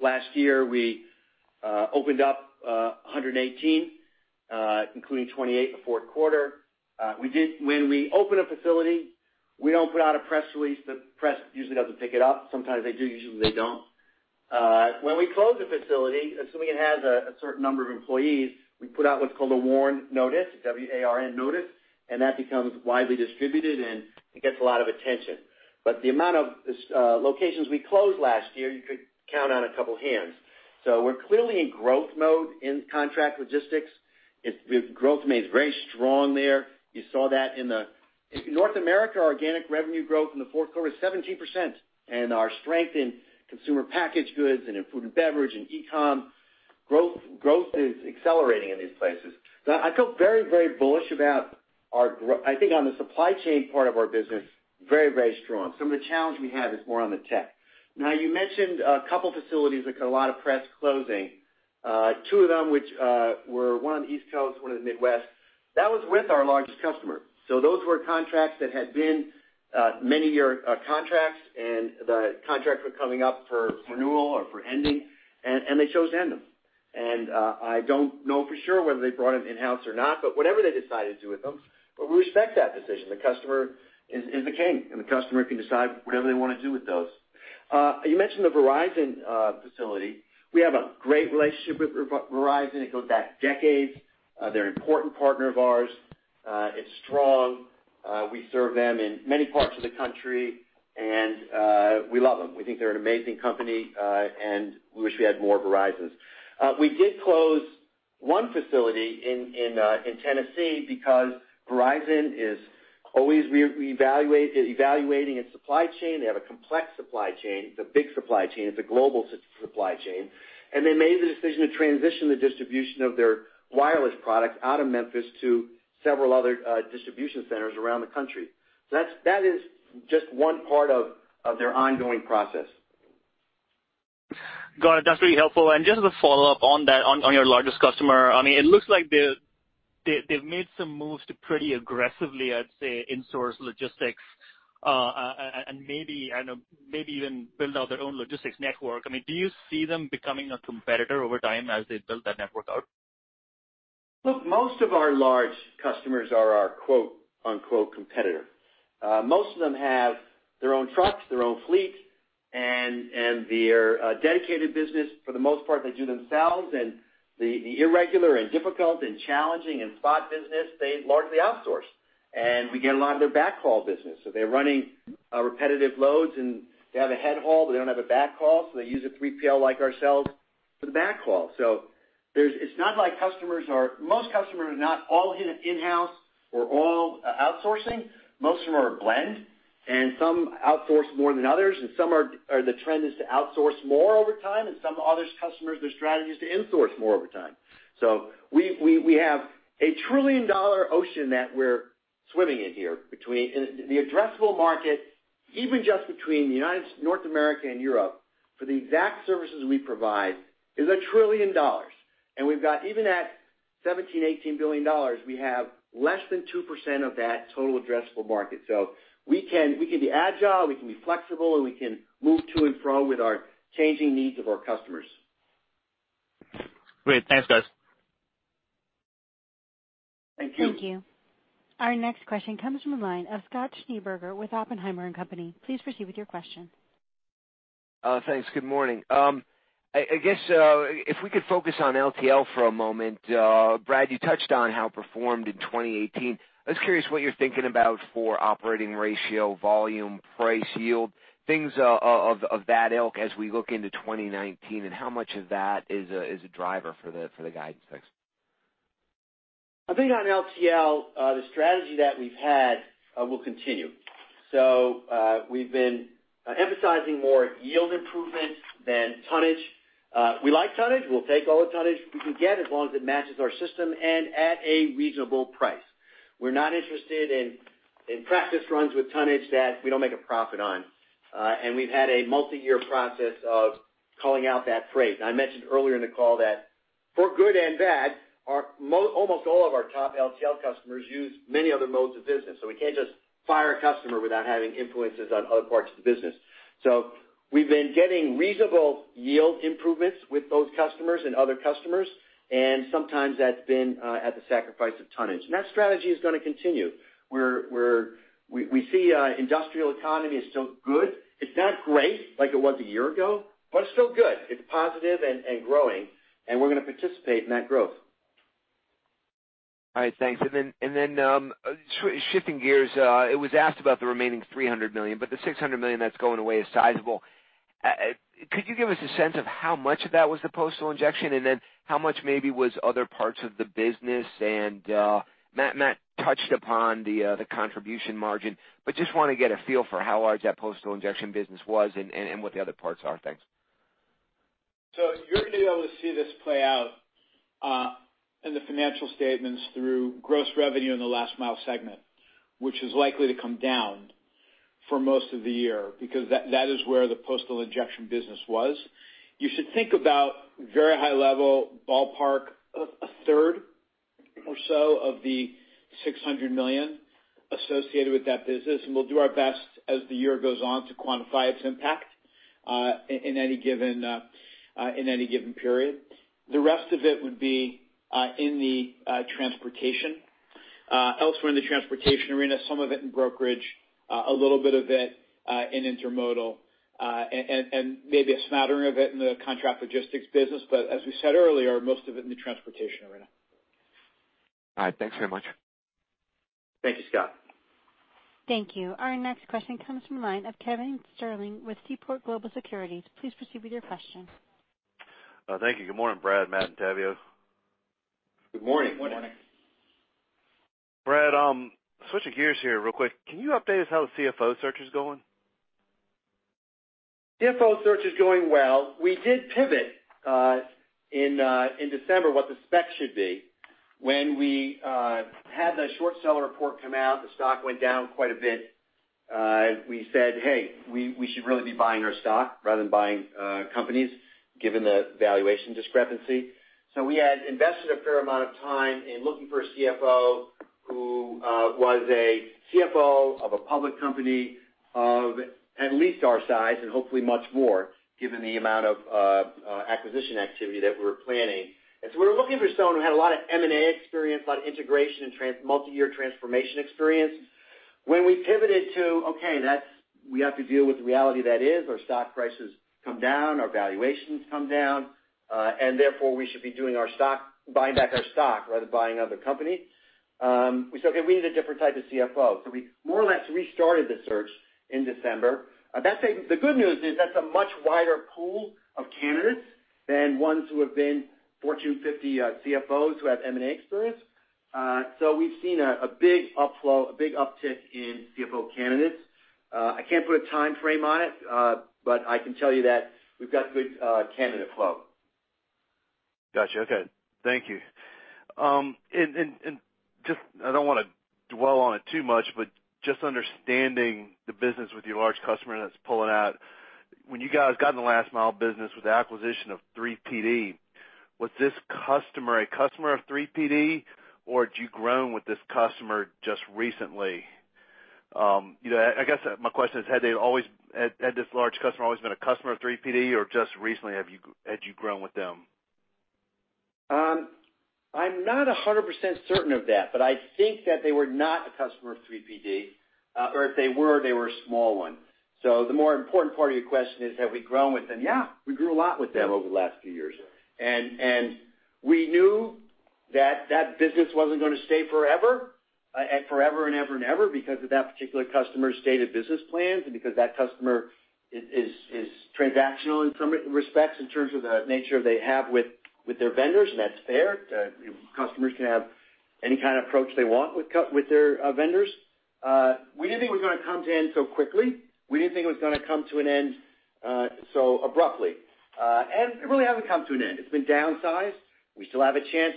Speaker 2: Last year, we opened up 118, including 28 in the fourth quarter. When we open a facility, we don't put out a press release. The press usually doesn't pick it up. Sometimes they do. Usually they don't. When we close a facility, assuming it has a certain number of employees, we put out what's called a WARN notice, W-A-R-N notice, and that becomes widely distributed, and it gets a lot of attention. The amount of locations we closed last year, you could count on a couple of hands. We're clearly in growth mode in contract logistics. Growth remains very strong there. You saw that in North America, our organic revenue growth in the fourth quarter is 17%, and our strength in consumer packaged goods and in food and beverage and e-com. Growth is accelerating in these places. I feel very bullish. I think on the supply chain part of our business, very strong. Some of the challenge we have is more on the tech. Now, you mentioned a couple facilities that got a lot of press closing. Two of them, one on the East Coast, one in the Midwest. Those were contracts that had been many-year contracts, and the contracts were coming up for renewal or for ending, and they chose to end them. I don't know for sure whether they brought them in-house or not, but whatever they decided to do with them, but we respect that decision. The customer is the king, and the customer can decide whatever they want to do with those. You mentioned the Verizon facility. We have a great relationship with Verizon. It goes back decades. They're an important partner of ours. It's strong. We serve them in many parts of the country, and we love them. We think they're an amazing company, and we wish we had more Verizons. We did close one facility in Tennessee because Verizon is always reevaluating its supply chain. They have a complex supply chain. It's a big supply chain. It's a global supply chain. They made the decision to transition the distribution of their wireless product out of Memphis to several other distribution centers around the country. That is just one part of their ongoing process.
Speaker 8: Got it. That's really helpful. Just as a follow-up on that, on your largest customer. It looks like they've made some moves to pretty aggressively, I'd say, insource logistics, and maybe even build out their own logistics network. Do you see them becoming a competitor over time as they build that network out?
Speaker 2: Look, most of our large customers are our quote-unquote competitor. Most of them have their own trucks, their own fleet, and their dedicated business, for the most part, they do themselves. The irregular and difficult and challenging and spot business, they largely outsource. We get a lot of their backhaul business. They're running repetitive loads, and they have a head haul, but they don't have a backhaul, so they use a 3PL like ourselves for the backhaul. It's not like most customers are not all in-house or all outsourcing. Most of them are a blend, and some outsource more than others, and some are the trend is to outsource more over time, and some other customers, their strategy is to insource more over time. We have a trillion-dollar ocean that we're swimming in here, and the addressable market, even just between North America and Europe, for the exact services we provide is $1 trillion. We've got, even at $17 billion, $18 billion, we have less than 2% of that total addressable market. We can be agile, we can be flexible, and we can move to and fro with our changing needs of our customers.
Speaker 8: Great. Thanks, guys.
Speaker 1: Thank you. Thank you. Our next question comes from the line of Scott Schneeberger with Oppenheimer and Company. Please proceed with your question.
Speaker 9: Thanks. Good morning. I guess, if we could focus on LTL for a moment. Brad, you touched on how it performed in 2018. I was curious what you're thinking about for operating ratio, volume, price yield, things of that ilk as we look into 2019, how much of that is a driver for the guidance, thanks.
Speaker 2: I think on LTL, the strategy that we've had will continue. We've been emphasizing more yield improvement than tonnage. We like tonnage. We'll take all the tonnage we can get as long as it matches our system and at a reasonable price. We're not interested in practice runs with tonnage that we don't make a profit on. We've had a multi-year process of calling out that freight. I mentioned earlier in the call that, for good and bad, almost all of our top LTL customers use many other modes of business. We can't just fire a customer without having influences on other parts of the business. We've been getting reasonable yield improvements with those customers and other customers, and sometimes that's been at the sacrifice of tonnage. That strategy is going to continue, where we see industrial economy is still good. It's not great like it was a year ago, it's still good. It's positive and growing, we're going to participate in that growth.
Speaker 9: All right. Thanks. Shifting gears, it was asked about the remaining $300 million, but the $600 million that's going away is sizable. Could you give us a sense of how much of that was the postal injection, and then how much maybe was other parts of the business? Matt touched upon the contribution margin, but just want to get a feel for how large that postal injection business was and what the other parts are. Thanks.
Speaker 2: You're going to be able to see this play out in the financial statements through gross revenue in the Last Mile segment, which is likely to come down for most of the year because that is where the postal injection business was. You should think about very high-level ballpark of a third or so of the $600 million associated with that business, and we'll do our best as the year goes on to quantify its impact in any given period. The rest of it would be in the transportation. Elsewhere in the transportation arena, some of it in brokerage, a little bit of it in intermodal, and maybe a smattering of it in the contract logistics business. As we said earlier, most of it in the transportation arena.
Speaker 9: All right. Thanks very much.
Speaker 2: Thank you, Scott.
Speaker 1: Thank you. Our next question comes from the line of Kevin Sterling with Seaport Global Securities. Please proceed with your question.
Speaker 10: Thank you. Good morning, Brad, Matt, and Tavio.
Speaker 11: Good morning.
Speaker 3: Good morning.
Speaker 10: Brad, switching gears here real quick. Can you update us how the CFO search is going?
Speaker 2: CFO search is going well. We did pivot in December what the spec should be. When we had the short seller report come out, the stock went down quite a bit. We said, "Hey, we should really be buying our stock rather than buying companies, given the valuation discrepancy." We had invested a fair amount of time in looking for a CFO who was a CFO of a public company of at least our size and hopefully much more, given the amount of acquisition activity that we were planning. We were looking for someone who had a lot of M&A experience, a lot of integration and multi-year transformation experience. When we pivoted to, okay, we have to deal with the reality that is. Our stock price has come down, our valuations come down, and therefore we should be buying back our stock rather than buying other companies. We said, okay, we need a different type of CFO. We more or less restarted the search in December. The good news is that's a much wider pool of candidates than ones who have been Fortune 50 CFOs who have M&A experience. We've seen a big upflow, a big uptick in CFO candidates. I can't put a timeframe on it, but I can tell you that we've got good candidate flow.
Speaker 10: Got you. Okay. Thank you. Just, I don't want to dwell on it too much, but just understanding the business with your large customer that's pulling out. When you guys got in the Last Mile business with the acquisition of 3PD, was this customer a customer of 3PD, or had you grown with this customer just recently? I guess my question is, had this large customer always been a customer of 3PD, or just recently had you grown with them?
Speaker 2: I'm not 100% certain of that, I think that they were not a customer of 3PD. If they were, they were a small one. The more important part of your question is, have we grown with them? Yeah, we grew a lot with them over the last few years. We knew that business wasn't going to stay forever, and forever and ever and ever because of that particular customer's stated business plans. Because that customer is transactional in some respects in terms of the nature they have with their vendors, that's fair. Customers can have any kind of approach they want with their vendors. We didn't think it was going to come to an end so quickly. We didn't think it was going to come to an end so abruptly. It really hasn't come to an end. It's been downsized. We still have a chance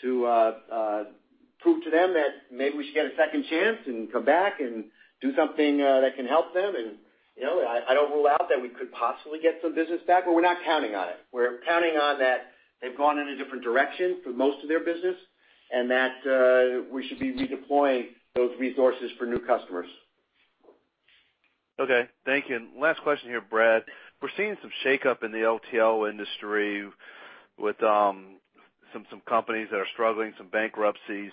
Speaker 2: to prove to them that maybe we should get a second chance and come back and do something that can help them. I don't rule out that we could possibly get some business back, we're not counting on it. We're counting on that they've gone in a different direction for most of their business, that we should be redeploying those resources for new customers.
Speaker 10: Okay. Thank you. Last question here, Brad. We're seeing some shakeup in the LTL industry with some companies that are struggling, some bankruptcies.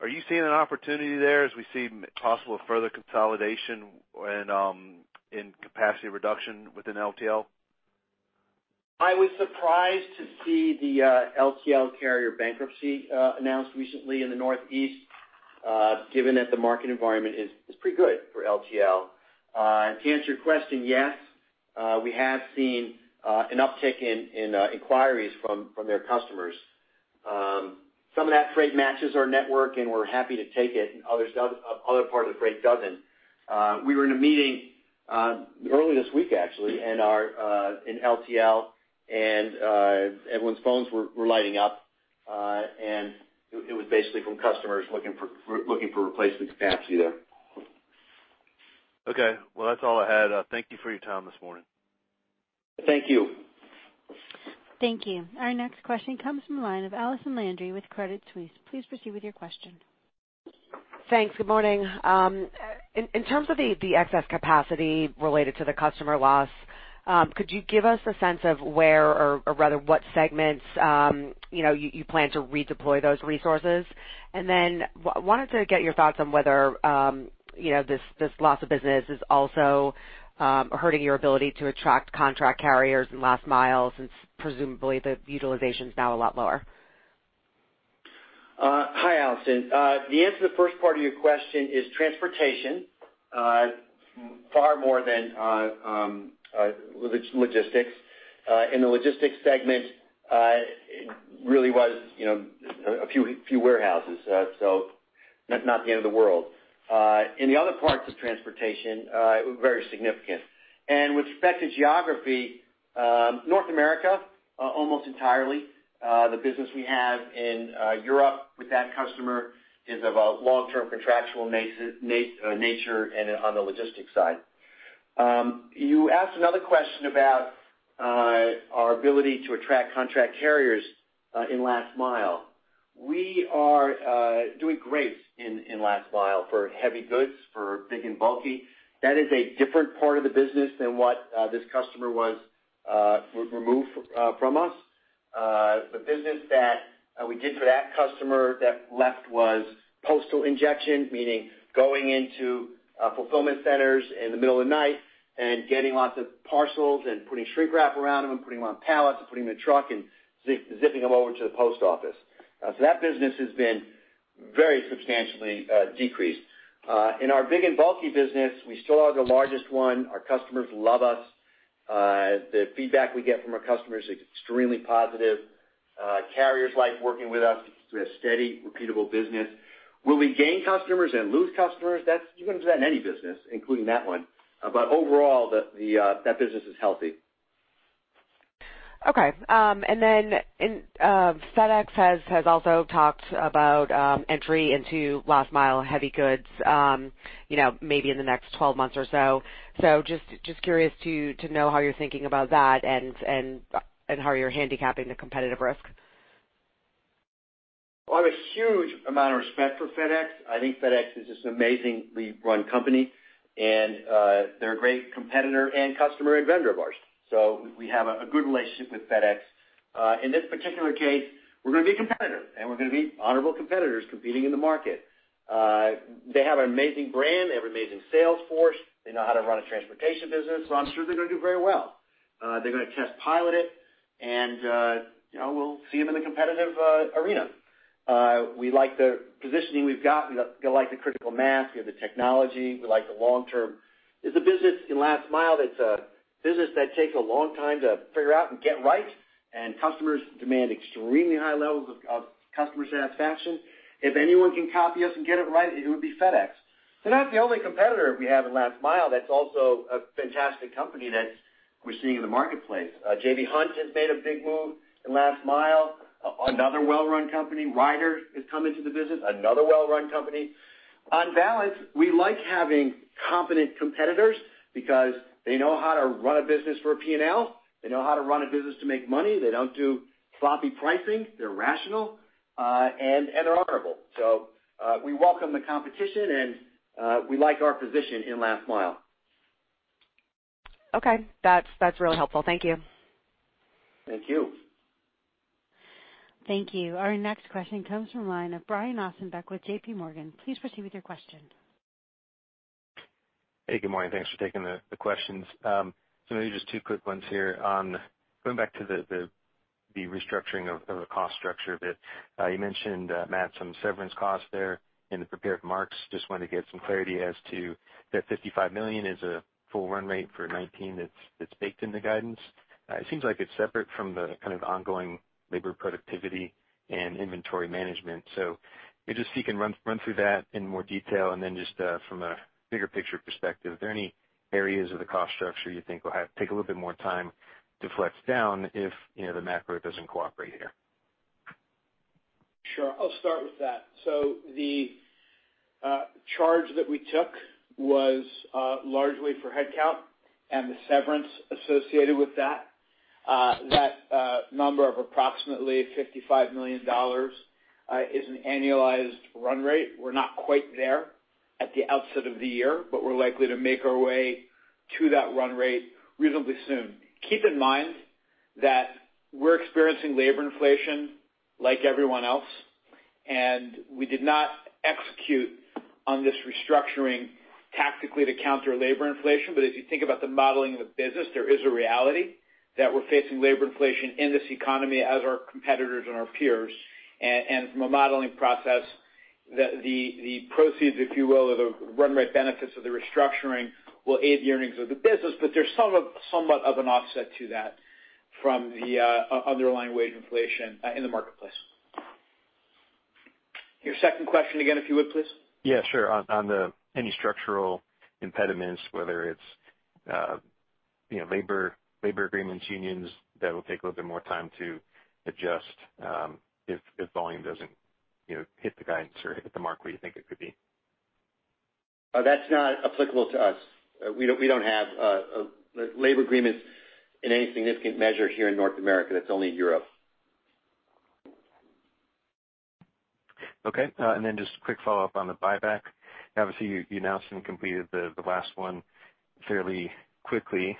Speaker 10: Are you seeing an opportunity there as we see possible further consolidation in capacity reduction within LTL?
Speaker 2: I was surprised to see the LTL carrier bankruptcy announced recently in the Northeast, given that the market environment is pretty good for LTL. To answer your question, yes, we have seen an uptick in inquiries from their customers. Some of that freight matches our network, we're happy to take it, other part of the freight doesn't. We were in a meeting earlier this week actually in LTL, everyone's phones were lighting up. It was basically from customers looking for replacement capacity there.
Speaker 10: Okay. Well, that's all I had. Thank you for your time this morning.
Speaker 2: Thank you.
Speaker 1: Thank you. Our next question comes from the line of Allison Landry with Credit Suisse. Please proceed with your question.
Speaker 12: Thanks. Good morning. In terms of the excess capacity related to the customer loss, could you give us a sense of where, or rather what segments you plan to redeploy those resources? Then wanted to get your thoughts on whether this loss of business is also hurting your ability to attract contract carriers in Last Mile since presumably the utilization's now a lot lower.
Speaker 2: Hi, Allison. The answer to the first part of your question is transportation, far more than logistics. In the logistics segment, it really was a few warehouses. Not the end of the world. In the other parts of transportation, very significant. With respect to geography, North America almost entirely. The business we have in Europe with that customer is of a long-term contractual nature and on the logistics side. You asked another question about our ability to attract contract carriers in Last Mile. We are doing great in Last Mile for heavy goods, for big and bulky. That is a different part of the business than what this customer was removed from us. The business that we did for that customer that left was postal injection, meaning going into fulfillment centers in the middle of the night and getting lots of parcels and putting shrink wrap around them and putting them on pallets and putting them in a truck and zipping them over to the post office. That business has been very substantially decreased. In our big and bulky business, we still are the largest one. Our customers love us. The feedback we get from our customers is extremely positive. Carriers like working with us. We have steady, repeatable business. Will we gain customers and lose customers? You're going to do that in any business, including that one. Overall, that business is healthy.
Speaker 12: Okay. FedEx has also talked about entry into Last Mile heavy goods maybe in the next 12 months or so. Just curious to know how you're thinking about that and how you're handicapping the competitive risk.
Speaker 2: Well, I have a huge amount of respect for FedEx. I think FedEx is just an amazingly run company, and they're a great competitor and customer and vendor of ours. We have a good relationship with FedEx. In this particular case, we're going to be competitors, and we're going to be honorable competitors competing in the market. They have an amazing brand. They have an amazing sales force. They know how to run a transportation business. I'm sure they're going to do very well. They're going to test pilot it, and we'll see them in the competitive arena. We like the positioning we've got. We like the critical mass. We have the technology. We like the long term. It's a business in Last Mile that's a business that takes a long time to figure out and get right. Customers demand extremely high levels of customer satisfaction. If anyone can copy us and get it right, it would be FedEx. They're not the only competitor we have in Last Mile that's also a fantastic company that we're seeing in the marketplace. J.B. Hunt has made a big move in Last Mile. Another well-run company. Ryder has come into the business, another well-run company. On balance, we like having competent competitors because they know how to run a business for P&L. They know how to run a business to make money. They don't do sloppy pricing. They're rational. And they're honorable. We welcome the competition, and we like our position in Last Mile.
Speaker 12: Okay. That's really helpful. Thank you.
Speaker 2: Thank you.
Speaker 1: Thank you. Our next question comes from the line of Brian Ossenbeck with J.P. Morgan. Please proceed with your question.
Speaker 13: Hey, good morning. Thanks for taking the questions. Maybe just 2 quick ones here. Going back to the restructuring of the cost structure a bit. You mentioned, Matt, some severance costs there in the prepared marks. Just wanted to get some clarity as to that $55 million is a full run rate for 2019 that's baked in the guidance. It seems like it's separate from the kind of ongoing labor productivity and inventory management. Maybe just if you can run through that in more detail, from a bigger picture perspective, are there any areas of the cost structure you think will take a little bit more time to flex down if the macro doesn't cooperate here?
Speaker 3: Sure. I'll start with that. The charge that we took was largely for headcount and the severance associated with that. That number of approximately $55 million is an annualized run rate. We're not quite there at the outset of the year, but we're likely to make our way to that run rate reasonably soon. Keep in mind that we're experiencing labor inflation like everyone else, and we did not execute on this restructuring tactically to counter labor inflation. If you think about the modeling of the business, there is a reality that we're facing labor inflation in this economy as are competitors and our peers. From a modeling process, the proceeds, if you will, or the run rate benefits of the restructuring will aid the earnings of the business. There's somewhat of an offset to that from the underlying wage inflation in the marketplace. Your second question again, if you would, please.
Speaker 13: Sure. On any structural impediments, whether it's labor agreements, unions, that'll take a little bit more time to adjust if volume doesn't hit the guidance or hit the mark where you think it could be.
Speaker 3: That is not applicable to us. We do not have labor agreements in any significant measure here in North America. That is only Europe.
Speaker 13: Okay. Just a quick follow-up on the buyback. Obviously, you announced and completed the last one fairly quickly.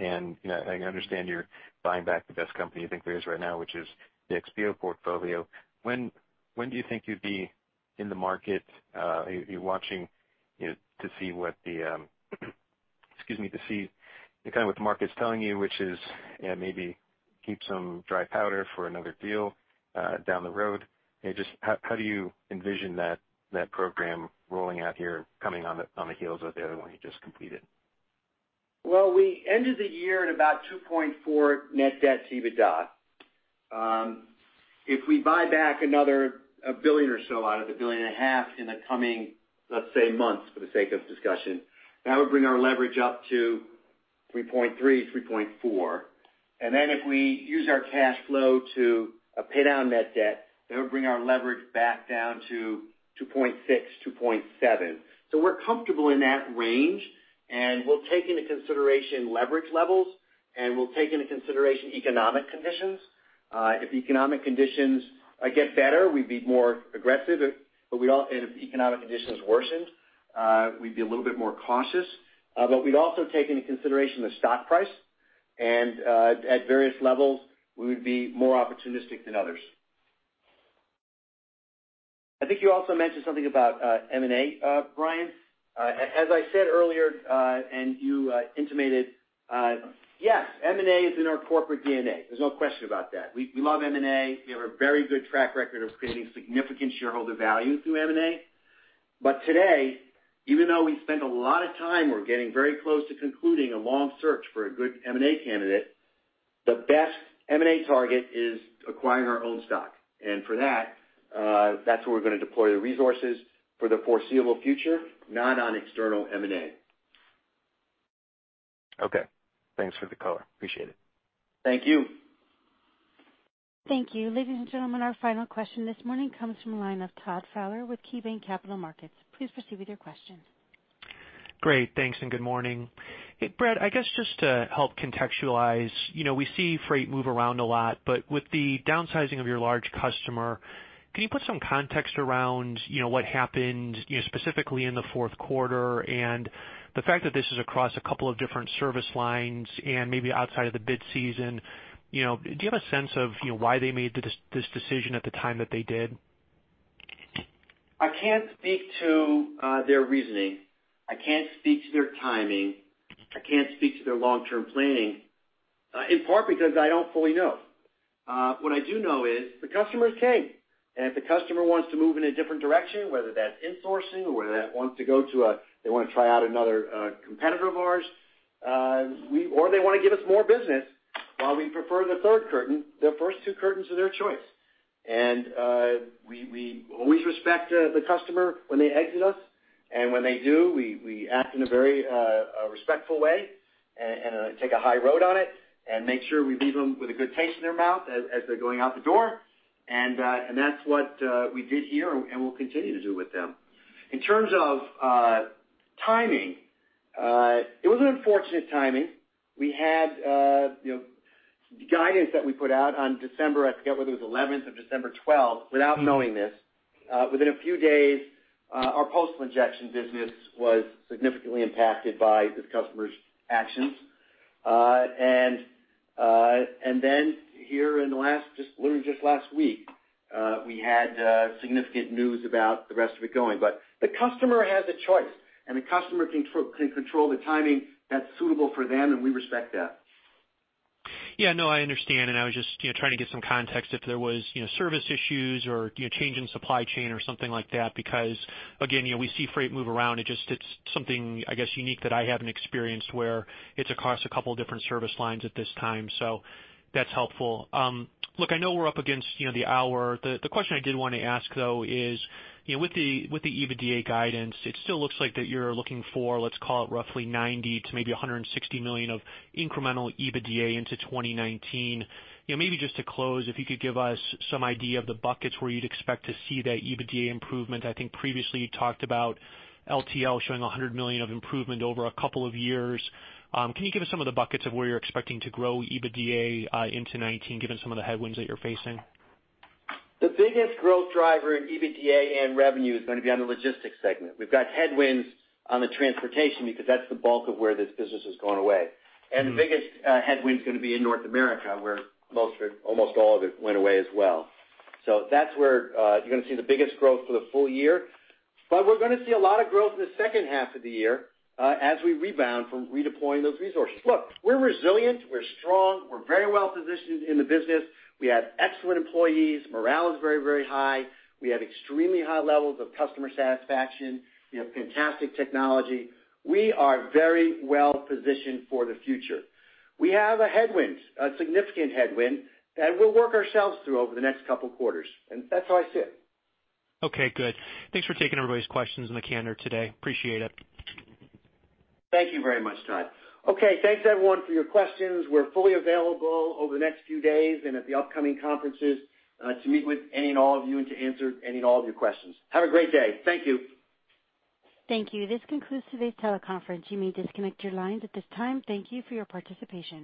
Speaker 13: I understand you are buying back the best company you think there is right now, which is the XPO portfolio. When do you think you would be in the market, you are watching to see kind of what the market is telling you, which is maybe keep some dry powder for another deal down the road. Just how do you envision that program rolling out here, coming on the heels of the other one you just completed?
Speaker 3: Well, we ended the year at about 2.4 net debt EBITDA. If we buy back another $1 billion or so out of the $1.5 billion in the coming, let us say, months, for the sake of discussion, that would bring our leverage up to 3.3-3.4. If we use our cash flow to pay down net debt, that would bring our leverage back down to 2.6, 2.7. We are comfortable in that range, and we will take into consideration leverage levels, and we will take into consideration economic conditions. If economic conditions get better, we would be more aggressive, but if economic conditions worsened, we would be a little bit more cautious. We would also take into consideration the stock price. At various levels, we would be more opportunistic than others. I think you also mentioned something about M&A, Brian. As I said earlier, and you intimated, yes, M&A is in our corporate D&A. There is no question about that. We love M&A. We have a very good track record of creating significant shareholder value through M&A. Today, even though we spent a lot of time, we are getting very close to concluding a long search for a good M&A candidate. The best M&A target is acquiring our own stock. For that is where we are going to deploy the resources for the foreseeable future, not on external M&A.
Speaker 13: Okay. Thanks for the color. Appreciate it.
Speaker 3: Thank you.
Speaker 1: Thank you. Ladies and gentlemen, our final question this morning comes from the line of Todd Fowler with KeyBanc Capital Markets. Please proceed with your question.
Speaker 14: Great, thanks, and good morning. Hey, Brad, I guess just to help contextualize, we see freight move around a lot, with the downsizing of your large customer, can you put some context around what happened specifically in the fourth quarter and the fact that this is across a couple of different service lines and maybe outside of the bid season, do you have a sense of why they made this decision at the time that they did?
Speaker 2: I can't speak to their reasoning. I can't speak to their timing. I can't speak to their long-term planning, in part because I don't fully know. What I do know is the customer's king, and if the customer wants to move in a different direction, whether that's insourcing or whether they want to try out another competitor of ours, or they want to give us more business, while we prefer the third curtain, the first two curtains are their choice. We always respect the customer when they exit us. When they do, we act in a very respectful way and take a high road on it and make sure we leave them with a good taste in their mouth as they're going out the door. That's what we did here, and we'll continue to do with them. In terms of timing, it was an unfortunate timing. We had guidance that we put out on December, I forget whether it was 11th or December 12th, without knowing this. Within a few days, our postal injection business was significantly impacted by this customer's actions. Here in the last, just literally just last week, we had significant news about the rest of it going. The customer has a choice, and the customer can control the timing that's suitable for them, and we respect that.
Speaker 14: Yeah, no, I understand. I was just trying to get some context if there was service issues or change in supply chain or something like that. Again, we see freight move around. It just, it's something, I guess, unique that I haven't experienced, where it's across a couple different service lines at this time. That's helpful. Look, I know we're up against the hour. The question I did want to ask, though, is with the EBITDA guidance, it still looks like that you're looking for, let's call it roughly $90 million to maybe $160 million of incremental EBITDA into 2019. Maybe just to close, if you could give us some idea of the buckets where you'd expect to see that EBITDA improvement. I think previously you talked about LTL showing $100 million of improvement over a couple of years. Can you give us some of the buckets of where you're expecting to grow EBITDA into 2019, given some of the headwinds that you're facing?
Speaker 2: The biggest growth driver in EBITDA and revenue is going to be on the logistics segment. We've got headwinds on the transportation because that's the bulk of where this business has gone away. The biggest headwind is going to be in North America, where most or almost all of it went away as well. That's where you're going to see the biggest growth for the full year. We're going to see a lot of growth in the second half of the year as we rebound from redeploying those resources. Look, we're resilient. We're strong. We're very well positioned in the business. We have excellent employees. Morale is very, very high. We have extremely high levels of customer satisfaction. We have fantastic technology. We are very well positioned for the future. We have a headwind, a significant headwind, that we'll work ourselves through over the next couple quarters, and that's how I see it.
Speaker 14: Okay, good. Thanks for taking everybody's questions in the calendar today. Appreciate it.
Speaker 2: Thank you very much, Todd. Thanks, everyone, for your questions. We're fully available over the next few days and at the upcoming conferences, to meet with any and all of you and to answer any and all of your questions. Have a great day. Thank you.
Speaker 1: Thank you. This concludes today's teleconference. You may disconnect your lines at this time. Thank you for your participation.